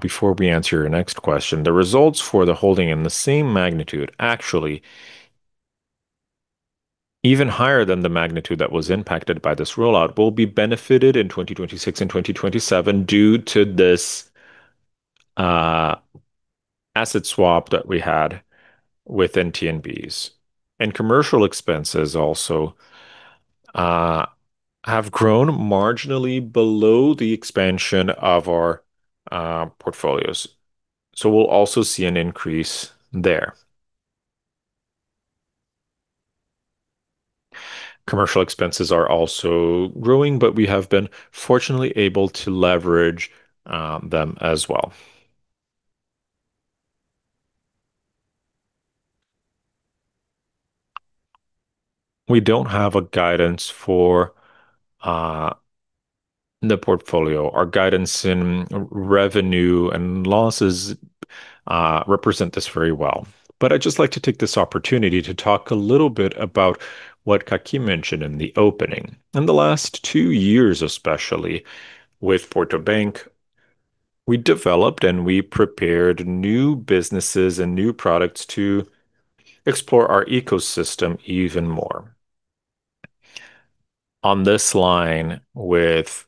before we answer your next question, the results for the holding in the same magnitude, actually even higher than the magnitude that was impacted by this rollout, will be benefited in 2026 and 2027 due to this, asset swap that we had within NTN-Bs. Commercial expenses also have grown marginally below the expansion of our portfolios, so we'll also see an increase there. Commercial expenses are also growing, but we have been fortunately able to leverage them as well. We don't have a guidance for the portfolio. Our guidance in revenue and losses represent this very well. I'd just like to take this opportunity to talk a little bit about what Kakinoff mentioned in the opening. In the last two years, especially with Porto Bank, we developed and we prepared new businesses and new products to explore our ecosystem even more. On this line, with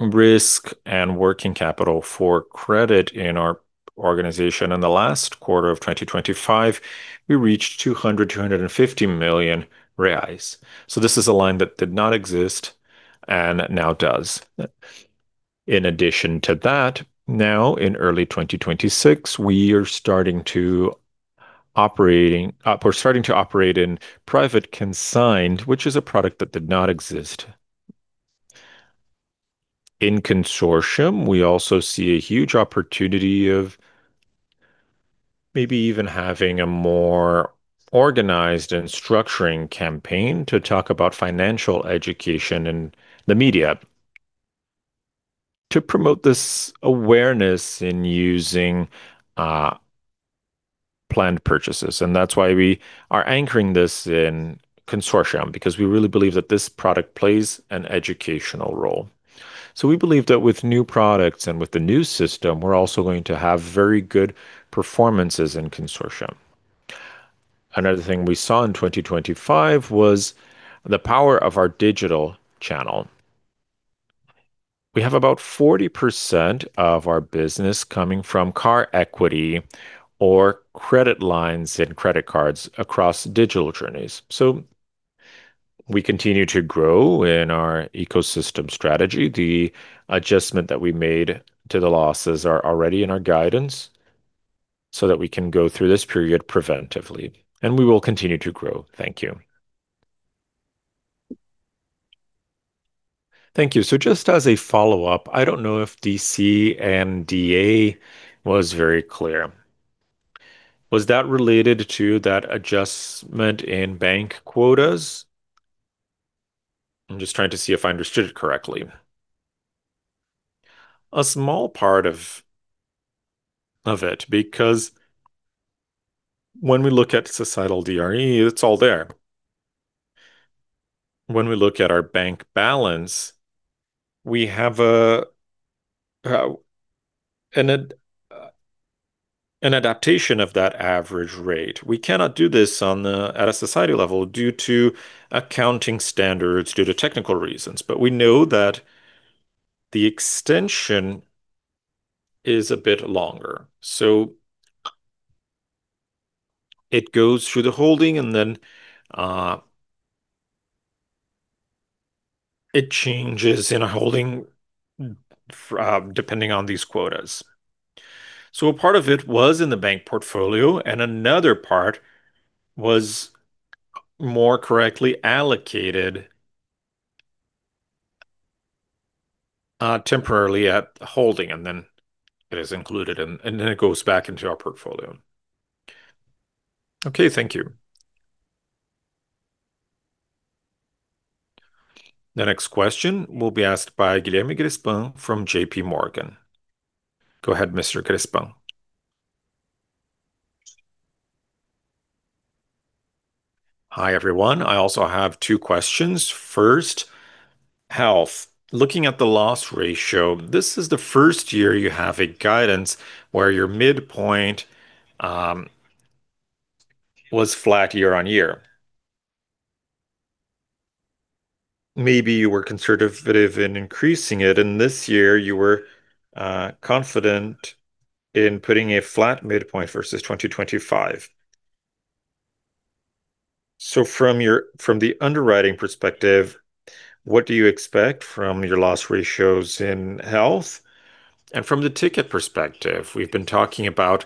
risk and working capital for credit in our organization, in the last quarter of 2025, we reached 250 million reais. So this is a line that did not exist and now does. In addition to that, now in early 2026, we're starting to operate in private consigned, which is a product that did not exist. In consortium, we also see a huge opportunity of maybe even having a more organized and structuring campaign to talk about financial education in the media, to promote this awareness in using planned purchases. That's why we are anchoring this in consortium, because we really believe that this product plays an educational role. So we believe that with new products and with the new system, we're also going to have very good performances in consortium. Another thing we saw in 2025 was the power of our digital channel. We have about 40% of our business coming from car equity or credit lines and credit cards across digital journeys. So we continue to grow in our ecosystem strategy. The adjustment that we made to the losses are already in our guidance, so that we can go through this period preventively, and we will continue to grow. Thank you. Thank you. So just as a follow-up, I don't know if DC and DA was very clear. Was that related to that adjustment in bank quotas? I'm just trying to see if I understood it correctly. A small part of it, because when we look at consolidated DRE, it's all there. When we look at our bank balance, we have an adaptation of that average rate. We cannot do this at a society level due to accounting standards, due to technical reasons. But we know that the extension is a bit longer. So it goes through the holding, and then it changes in a holding, depending on these quotas. So a part of it was in the bank portfolio, and another part was more correctly allocated temporarily at the holding, and then it is included, and then it goes back into our portfolio. Okay. Thank you. The next question will be asked by Guilherme Grespan from JP Morgan. Go ahead, Mr. Grespan. Hi, everyone.I also have two questions. First, health. Looking at the loss ratio, this is the first year you have a guidance where your midpoint was flat year on year. Maybe you were conservative in increasing it, and this year you were confident in putting a flat midpoint versus 2025. So from the underwriting perspective, what do you expect from your loss ratios in health? And from the ticket perspective, we've been talking about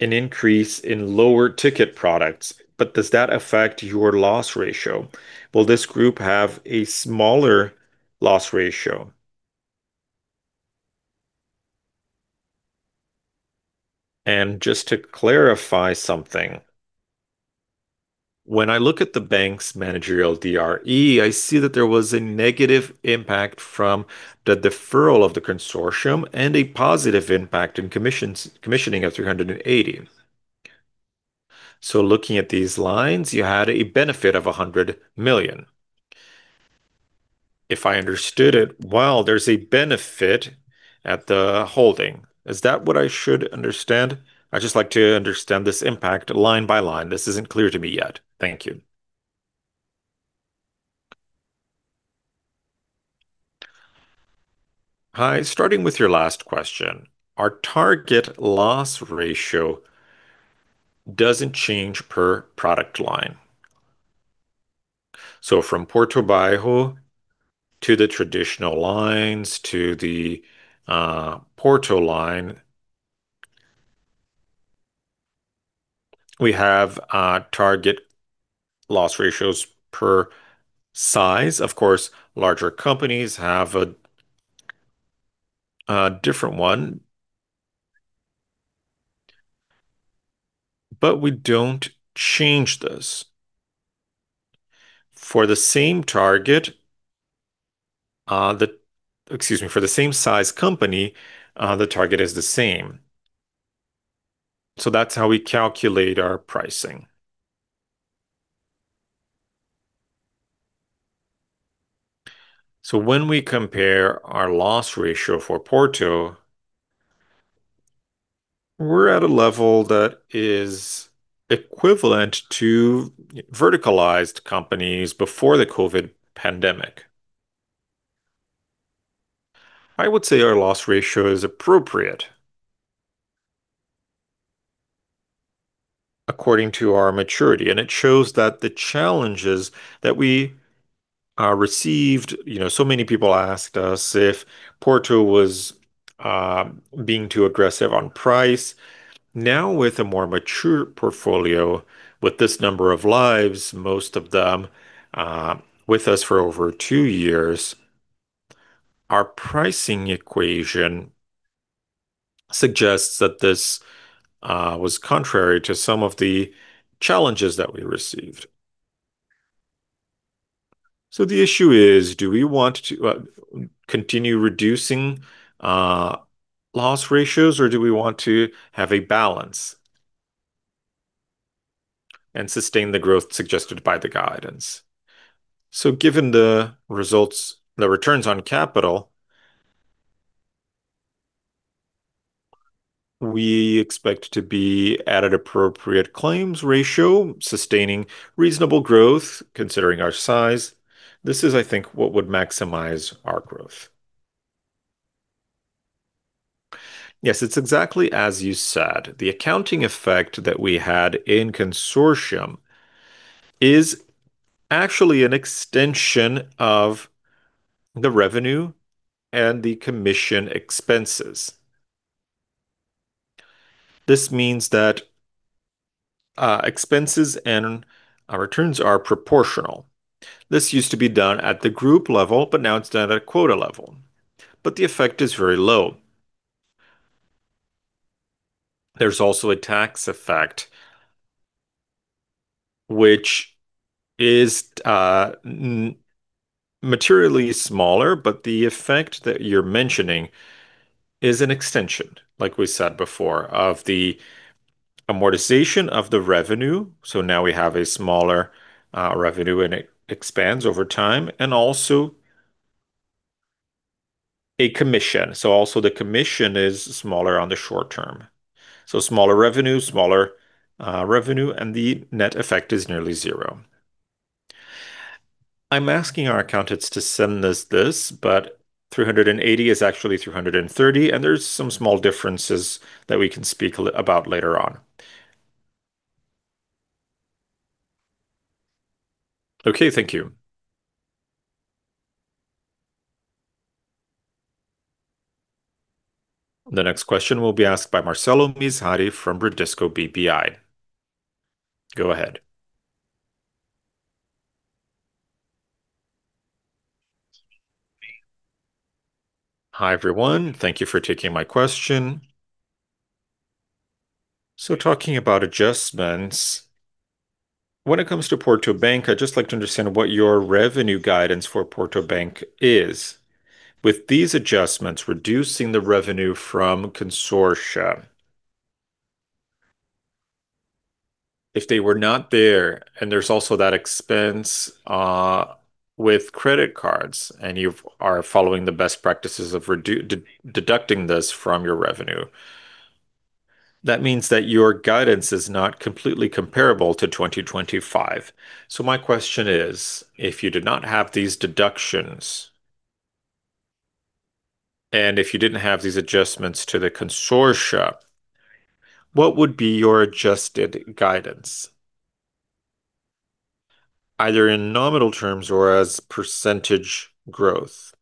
an increase in lower ticket products, but does that affect your loss ratio? Will this group have a smaller loss ratio? And just to clarify something, when I look at the bank's managerial DRE, I see that there was a negative impact from the deferral of the consortium and a positive impact in commissions - commissioning of 380. So looking at these lines, you had a benefit of 100 million. If I understood it well, there's a benefit at the holding. Is that what I should understand? I'd just like to understand this impact line by line. This isn't clear to me yet. Thank you. Hi, starting with your last question, our target loss ratio doesn't change per product line. So from Porto Bairro, to the traditional lines, to the Porto line, we have target loss ratios per size. Of course, larger companies have a different one, but we don't change this. For the same target, excuse me, for the same size company, the target is the same. So that's how we calculate our pricing. So when we compare our loss ratio for Porto, we're at a level that is equivalent to verticalized companies before the COVID pandemic. I would say our loss ratio is appropriate according to our maturity, and it shows that the challenges that we received, you know, so many people asked us if Porto was being too aggressive on price. Now, with a more mature portfolio, with this number of lives, most of them with us for over two years, our pricing equation suggests that this was contrary to some of the challenges that we received. So the issue is: do we want to continue reducing loss ratios, or do we want to have a balance and sustain the growth suggested by the guidance? So given the results, the returns on capital, we expect to be at an appropriate claims ratio, sustaining reasonable growth, considering our size. This is, I think, what would maximize our growth. Yes, it's exactly as you said. The accounting effect that we had in consortium is actually an extension of the revenue and the commission expenses. This means that expenses and returns are proportional. This used to be done at the group level, but now it's done at a quota level, but the effect is very low. There's also a tax effect, which is materially smaller, but the effect that you're mentioning is an extension, like we said before, of the amortization of the revenue. So now we have a smaller revenue, and it expands over time, and also a commission. So also the commission is smaller on the short term. So smaller revenue, smaller revenue, and the net effect is nearly zero. I'm asking our accountants to send us this, but 380 is actually 330, and there's some small differences that we can speak a little about later on. Okay, thank you. The next question will be asked by Marcelo Mizrafrom Bradesco BBI. Go ahead. Hi, everyone. Thank you for taking my question. So talking about adjustments, when it comes to Porto Bank, I'd just like to understand what your revenue guidance for Porto Bank is. With these adjustments, reducing the revenue from consortia, if they were not there, and there's also that expense with credit cards, and you are following the best practices of reducing, deducting this from your revenue, that means that your guidance is not completely comparable to 2025. So my question is: if you did not have these deductions, and if you didn't have these adjustments to the consortia, what would be your adjusted guidance, either in nominal terms or as percentage growth?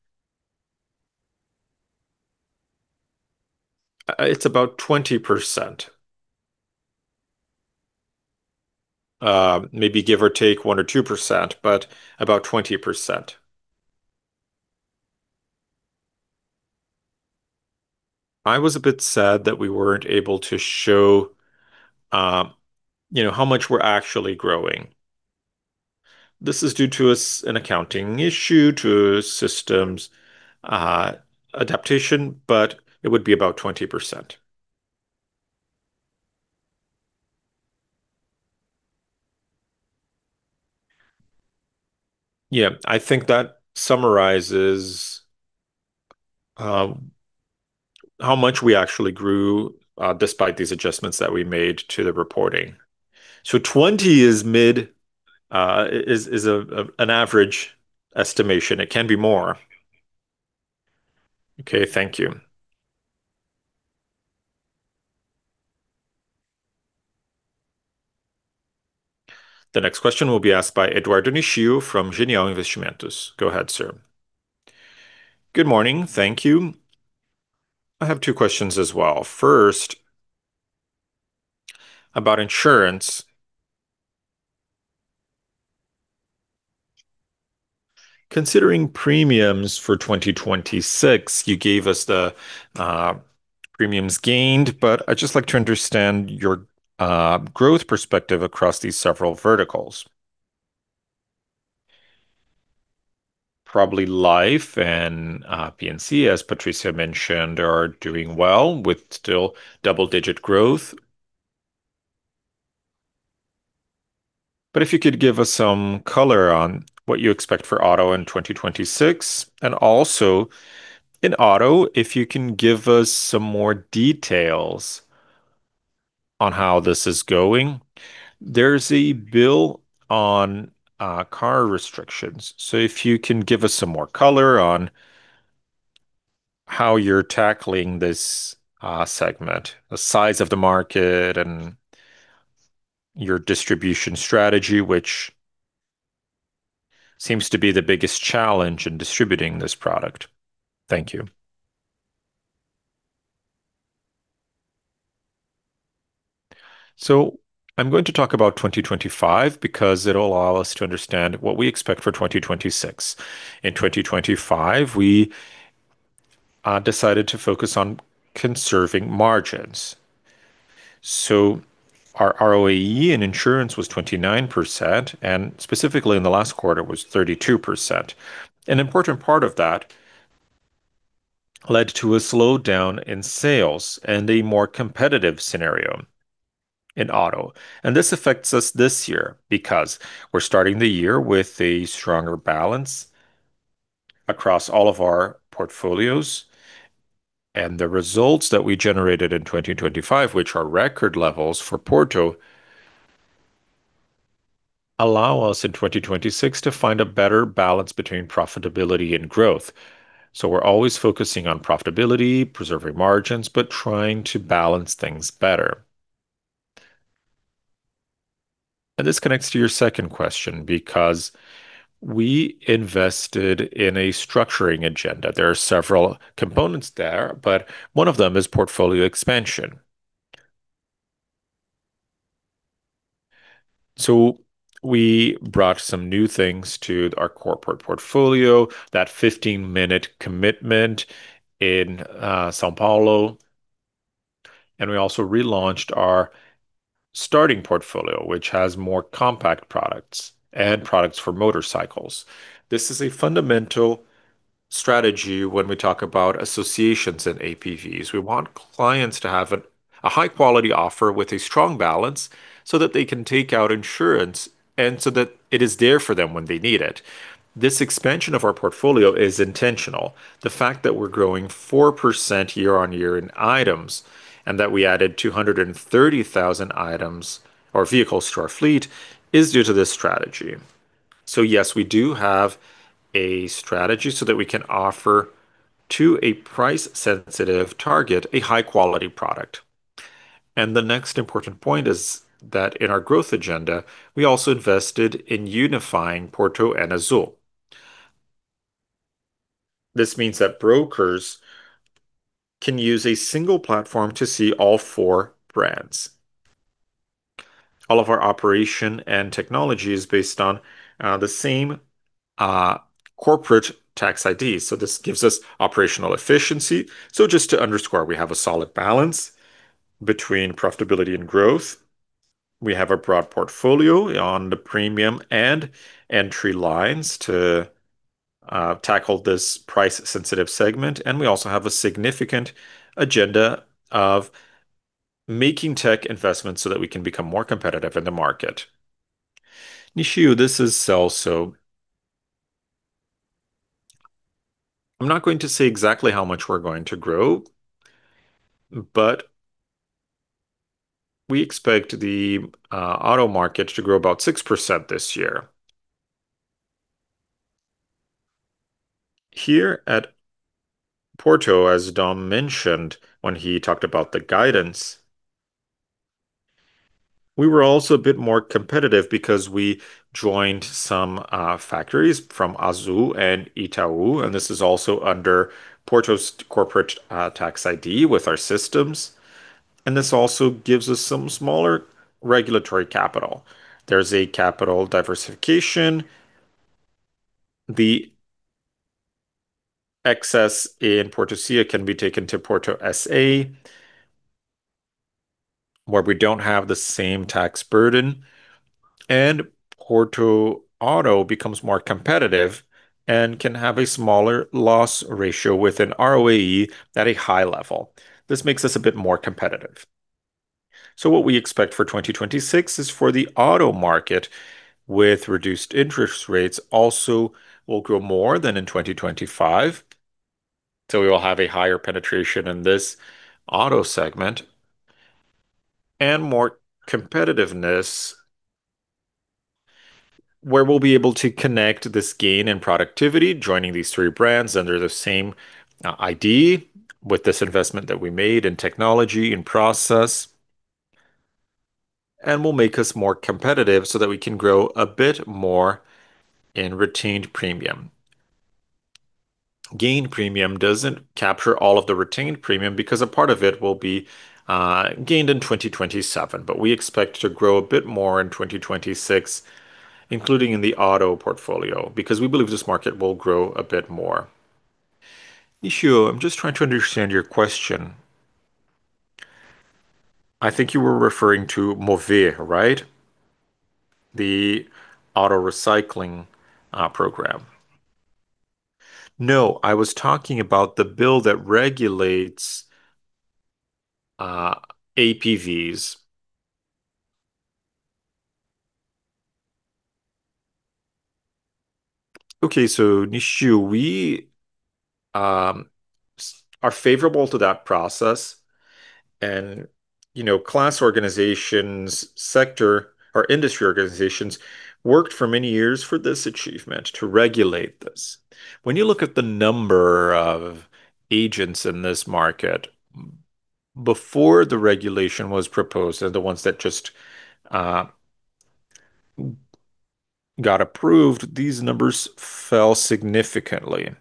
It's about 20%. Maybe give or take 1 or 2%, but about 20%. I was a bit sad that we weren't able to show, you know, how much we're actually growing. This is due to us an accounting issue, to systems adaptation, but it would be about 20%. Yeah, I think that summarizes how much we actually grew, despite these adjustments that we made to the reporting. So 20 is mid, an average estimation. It can be more. Okay, thank you. The next question will be asked by Eduardo Nishio from Genial Investimentos. Go ahead, sir. Good morning. Thank you. I have two questions as well. First, about insurance.... considering premiums for 2026, you gave us the premiums gained, but I'd just like to understand your growth perspective across these several verticals. Probably Life and P&C, as Patricia mentioned, are doing well with still double-digit growth. But if you could give us some color on what you expect for auto in 2026, and also in auto, if you can give us some more details on how this is going. There's a bill on car restrictions, so if you can give us some more color on how you're tackling this segment, the size of the market and your distribution strategy, which seems to be the biggest challenge in distributing this product. Thank you. So I'm going to talk about 2025 because it'll allow us to understand what we expect for 2026.In 2025, we decided to focus on conserving margins. So our ROAE in insurance was 29%, and specifically in the last quarter, it was 32%. An important part of that led to a slowdown in sales and a more competitive scenario in auto. And this affects us this year because we're starting the year with a stronger balance across all of our portfolios, and the results that we generated in 2025, which are record levels for Porto, allow us in 2026 to find a better balance between profitability and growth. So we're always focusing on profitability, preserving margins, but trying to balance things better. And this connects to your second question because we invested in a structuring agenda. There are several components there, but one of them is portfolio expansion. So we brought some new things to our corporate portfolio, that 15-minute commitment in São Paulo, and we also relaunched our starting portfolio, which has more compact products and products for motorcycles. This is a fundamental strategy when we talk about associations and APVs. We want clients to have a high-quality offer with a strong balance so that they can take out insurance and so that it is there for them when they need it. This expansion of our portfolio is intentional. The fact that we're growing 4% year-on-year in items, and that we added 230,000 items or vehicles to our fleet, is due to this strategy. So yes, we do have a strategy so that we can offer to a price-sensitive target, a high-quality product. The next important point is that in our growth agenda, we also invested in unifying Porto and Azul. This means that brokers can use a single platform to see all four brands. All of our operation and technology is based on the same corporate tax ID, so this gives us operational efficiency. Just to underscore, we have a solid balance between profitability and growth. We have a broad portfolio on the premium and entry lines to tackle this price-sensitive segment, and we also have a significant agenda of making tech investments so that we can become more competitive in the market. Nishio, this is Celso. I'm not going to say exactly how much we're going to grow, but we expect the auto market to grow about 6% this year. Here at Porto, as Dom mentioned when he talked about the guidance, we were also a bit more competitive because we joined some factories from Azul and Itaú, and this is also under Porto's corporate tax ID with our systems, and this also gives us some smaller regulatory capital. There's a capital diversification. The excess in Porto C can be taken to Porto SA, where we don't have the same tax burden, and Porto Auto becomes more competitive and can have a smaller loss ratio with an ROAE at a high level. This makes us a bit more competitive. So what we expect for 2026 is for the auto market, with reduced interest rates, also will grow more than in 2025. So we will have a higher penetration in this auto segment and more competitiveness, where we'll be able to connect this gain in productivity, joining these three brands under the same ID with this investment that we made in technology, in process, and will make us more competitive so that we can grow a bit more in retained premium. Gained premium doesn't capture all of the retained premium because a part of it will be gained in 2027. But we expect to grow a bit more in 2026, including in the auto portfolio, because we believe this market will grow a bit more. Nishio, I'm just trying to understand your question. I think you were referring to Mover, right? The auto recycling program. No, I was talking about the bill that regulates APVs. Okay, so Nishio, we are favorable to that process, and, you know, class organizations, sector or industry organizations, worked for many years for this achievement to regulate this. When you look at the number of agents in this market before the regulation was proposed, and the ones that just got approved, these numbers fell significantly.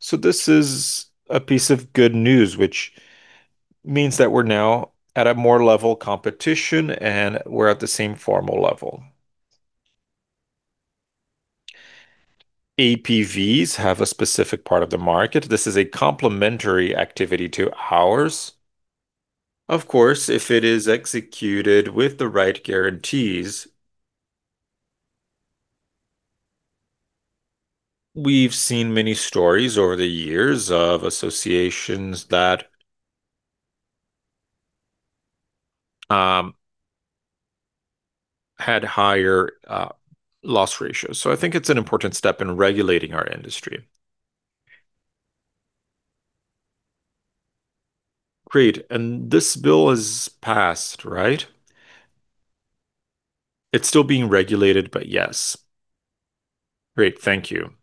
So this is a piece of good news, which means that we're now at a more level competition, and we're at the same formal level. APVs have a specific part of the market. This is a complementary activity to ours. Of course, if it is executed with the right guarantees. We've seen many stories over the years of associations that had higher loss ratios. So I think it's an important step in regulating our industry. Great, and this bill is passed, right? It's still being regulated, but yes. Great, thank you.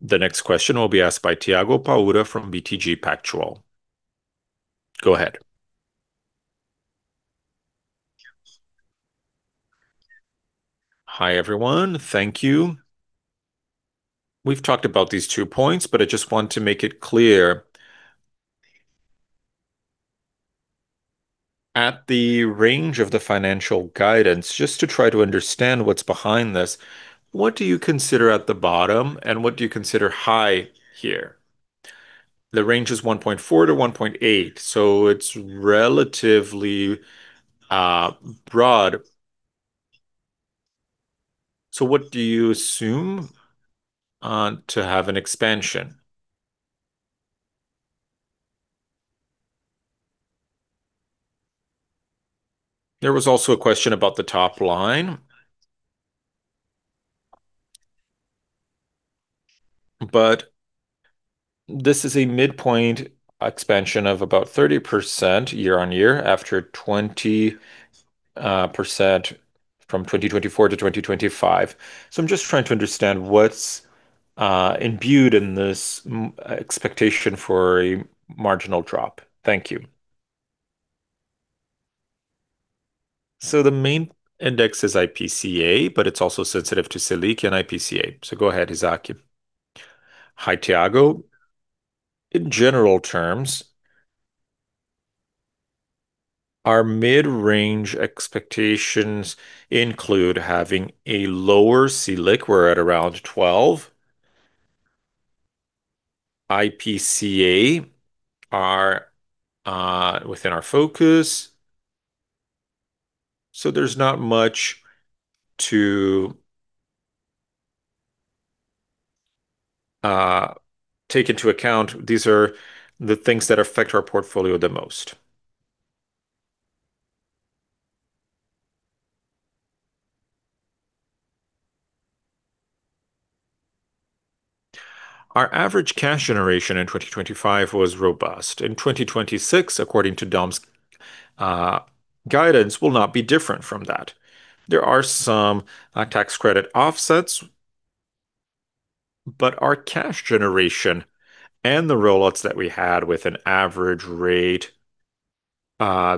The next question will be asked by Thiago Paura from BTG Pactual. Go ahead. Hi, everyone. Thank you. We've talked about these two points, but I just want to make it clear. At the range of the financial guidance, just to try to understand what's behind this, what do you consider at the bottom, and what do you consider high here? The range is 1.4-1.8, so it's relatively broad. So what do you assume to have an expansion? There was also a question about the top line. But this is a midpoint expansion of about 30% year-on-year, after 20% from 2024 to 2025. So I'm just trying to understand what's imbued in this expectation for a marginal drop. Thank you. So the main index is IPCA, but it's also sensitive to Selic and IPCA. So go ahead, Isaac. Hi, Thiago. In general terms, our mid-range expectations include having a lower Selic. We're at around 12. IPCA are within our focus, so there's not much to take into account. These are the things that affect our portfolio the most. Our average cash generation in 2025 was robust. In 2026, according to Dom's guidance, will not be different from that. There are some tax credit offsets, but our cash generation and the rollouts that we had with an average rate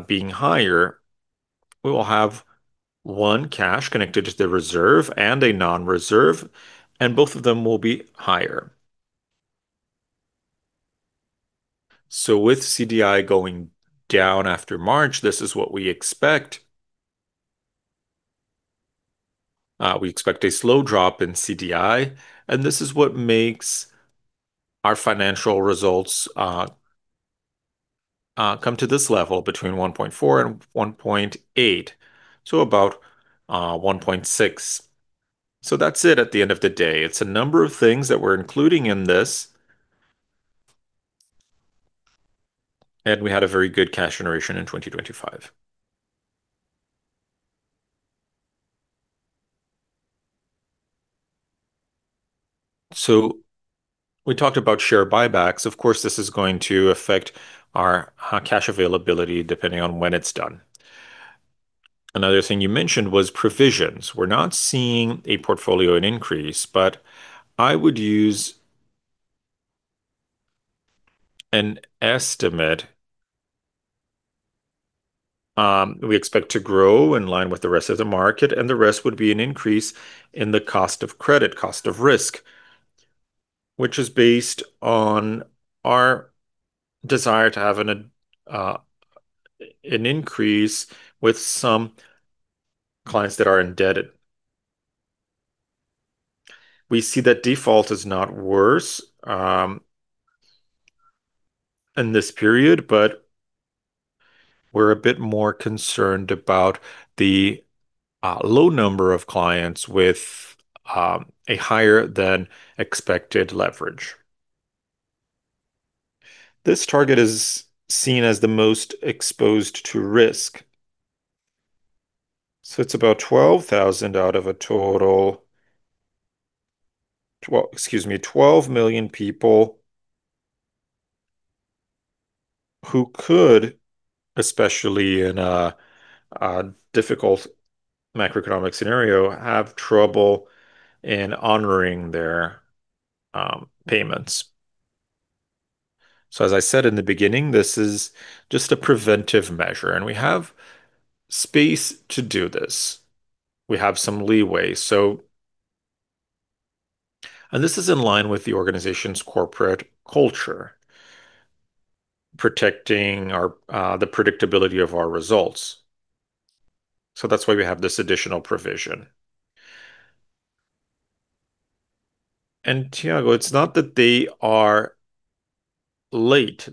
being higher, we will have one cash connected to the reserve and a non-reserve, and both of them will be higher. So with CDI going down after March, this is what we expect. We expect a slow drop in CDI, and this is what makes our financial results come to this level, between 1.4 and 1.8, so about 1.6. So that's it at the end of the day. It's a number of things that we're including in this, and we had a very good cash generation in 2025. So we talked about share buybacks. Of course, this is going to affect our cash availability, depending on when it's done. Another thing you mentioned was provisions. We're not seeing a portfolio increase, but I would use... an estimate. We expect to grow in line with the rest of the market, and the rest would be an increase in the cost of credit, cost of risk, which is based on our desire to have an increase with some clients that are indebted. We see that default is not worse in this period, but we're a bit more concerned about the low number of clients with a higher-than-expected leverage. This target is seen as the most exposed to risk. So it's about 12,000 out of a total 12 million people who could, especially in a difficult macroeconomic scenario, have trouble in honoring their payments. So as I said in the beginning, this is just a preventive measure, and we have space to do this. We have some leeway. This is in line with the organization's corporate culture, protecting our the predictability of our results. That's why we have this additional provision. Thiago, it's not that they are late,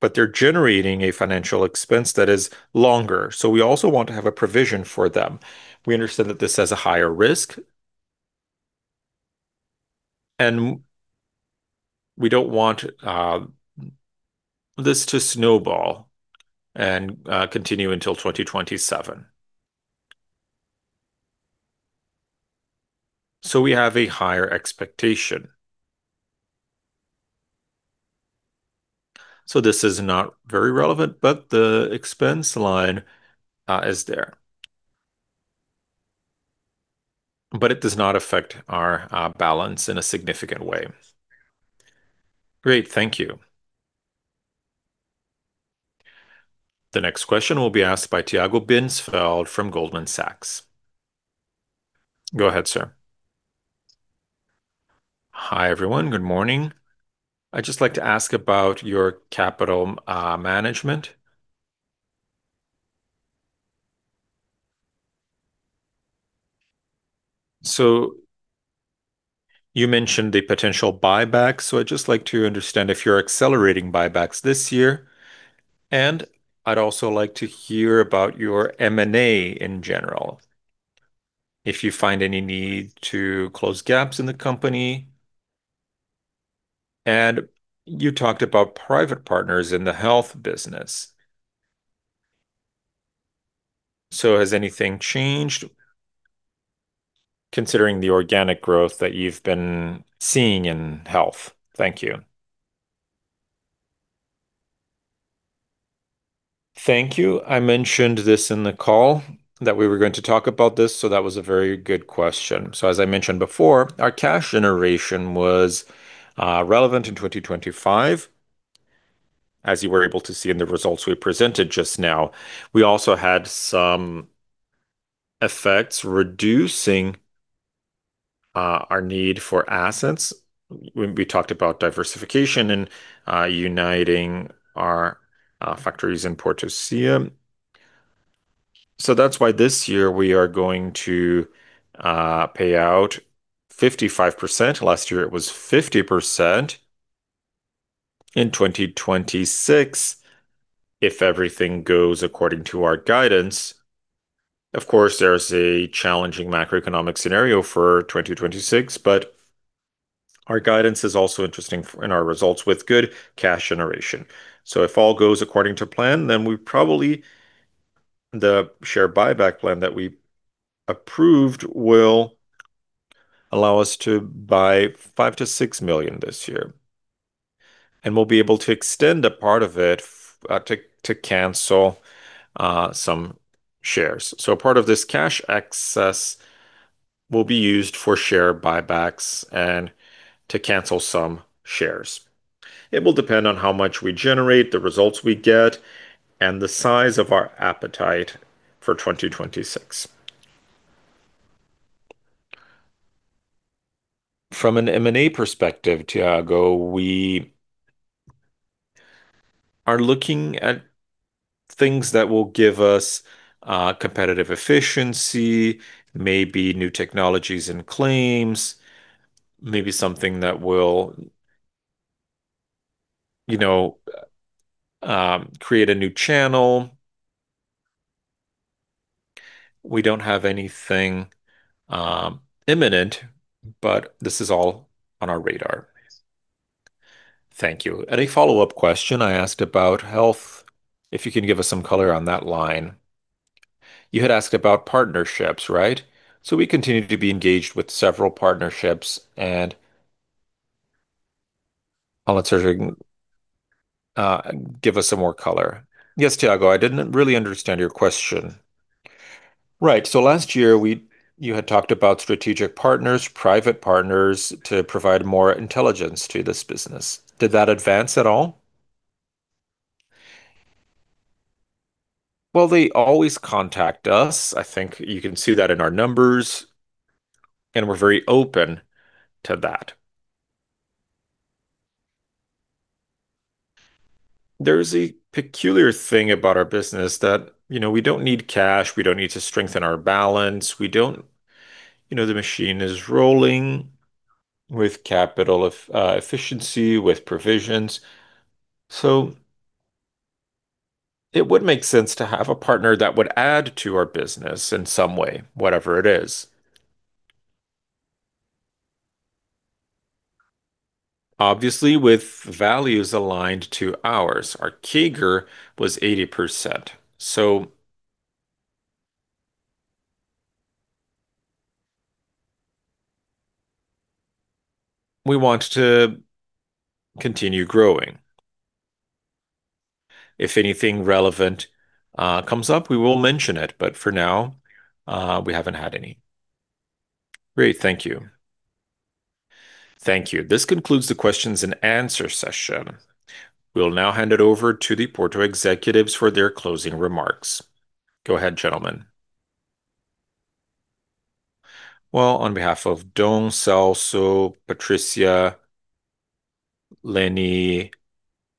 but they're generating a financial expense that is longer. We also want to have a provision for them. We understand that this has a higher risk, and we don't want this to snowball and continue until 2027. We have a higher expectation. This is not very relevant, but the expense line is there. It does not affect our balance in a significant way. Great, thank you. The next question will be asked by Tiago Binsfeld from Goldman Sachs. Go ahead, sir. Hi, everyone. Good morning. I'd just like to ask about your capital management. So you mentioned the potential buyback, so I'd just like to understand if you're accelerating buybacks this year, and I'd also like to hear about your M&A in general, if you find any need to close gaps in the company. And you talked about private partners in the health business. So has anything changed considering the organic growth that you've been seeing in health? Thank you. Thank you. I mentioned this in the call that we were going to talk about this, so that was a very good question. So as I mentioned before, our cash generation was relevant in 2025, as you were able to see in the results we presented just now. We also had some effects reducing our need for assets when we talked about diversification and uniting our factories in Porto Seguro. So that's why this year we are going to pay out 55%. Last year, it was 50%. In 2026, if everything goes according to our guidance. Of course, there's a challenging macroeconomic scenario for 2026, but our guidance is also interesting in our results with good cash generation. So if all goes according to plan, then we probably, the share buyback plan that we approved will allow us to buy 5-6 million this year, and we'll be able to extend a part of it to cancel some shares. So part of this cash excess will be used for share buybacks and to cancel some shares. It will depend on how much we generate, the results we get, and the size of our appetite for 2026.From an M&A perspective, Thiago, we are looking at things that will give us, competitive efficiency, maybe new technologies and claims, maybe something that will, you know, create a new channel. We don't have anything, imminent, but this is all on our radar. Thank you. And a follow-up question, I asked about health, if you can give us some color on that line. You had asked about partnerships, right? So we continue to be engaged with several partnerships, and I'll answer and give us some more color. Yes, Thiago, I didn't really understand your question. Right, so last year, you had talked about strategic partners, private partners, to provide more intelligence to this business. Did that advance at all? Well, they always contact us. I think you can see that in our numbers, and we're very open to that. There is a peculiar thing about our business that, you know, we don't need cash, we don't need to strengthen our balance, we don't... You know, the machine is rolling with capital efficiency, with provisions. So it would make sense to have a partner that would add to our business in some way, whatever it is. Obviously, with values aligned to ours. Our CAGR was 80%, so we want to continue growing. If anything relevant comes up, we will mention it, but for now, we haven't had any. Great, thank you. Thank you. This concludes the questions and answer session. We'll now hand it over to the Porto executives for their closing remarks. Go ahead, gentlemen. Well, on behalf of Dom, Celso, Patricia, Lene,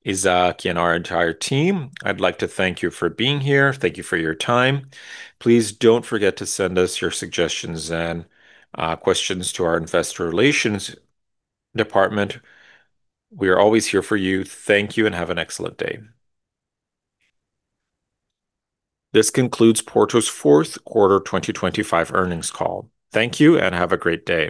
Isaac, and our entire team, I'd like to thank you for being here. Thank you for your time. Please don't forget to send us your suggestions and questions to our investor relations department. We are always here for you. Thank you, and have an excellent day. This concludes Porto's fourth quarter 2025 earnings call. Thank you, and have a great day.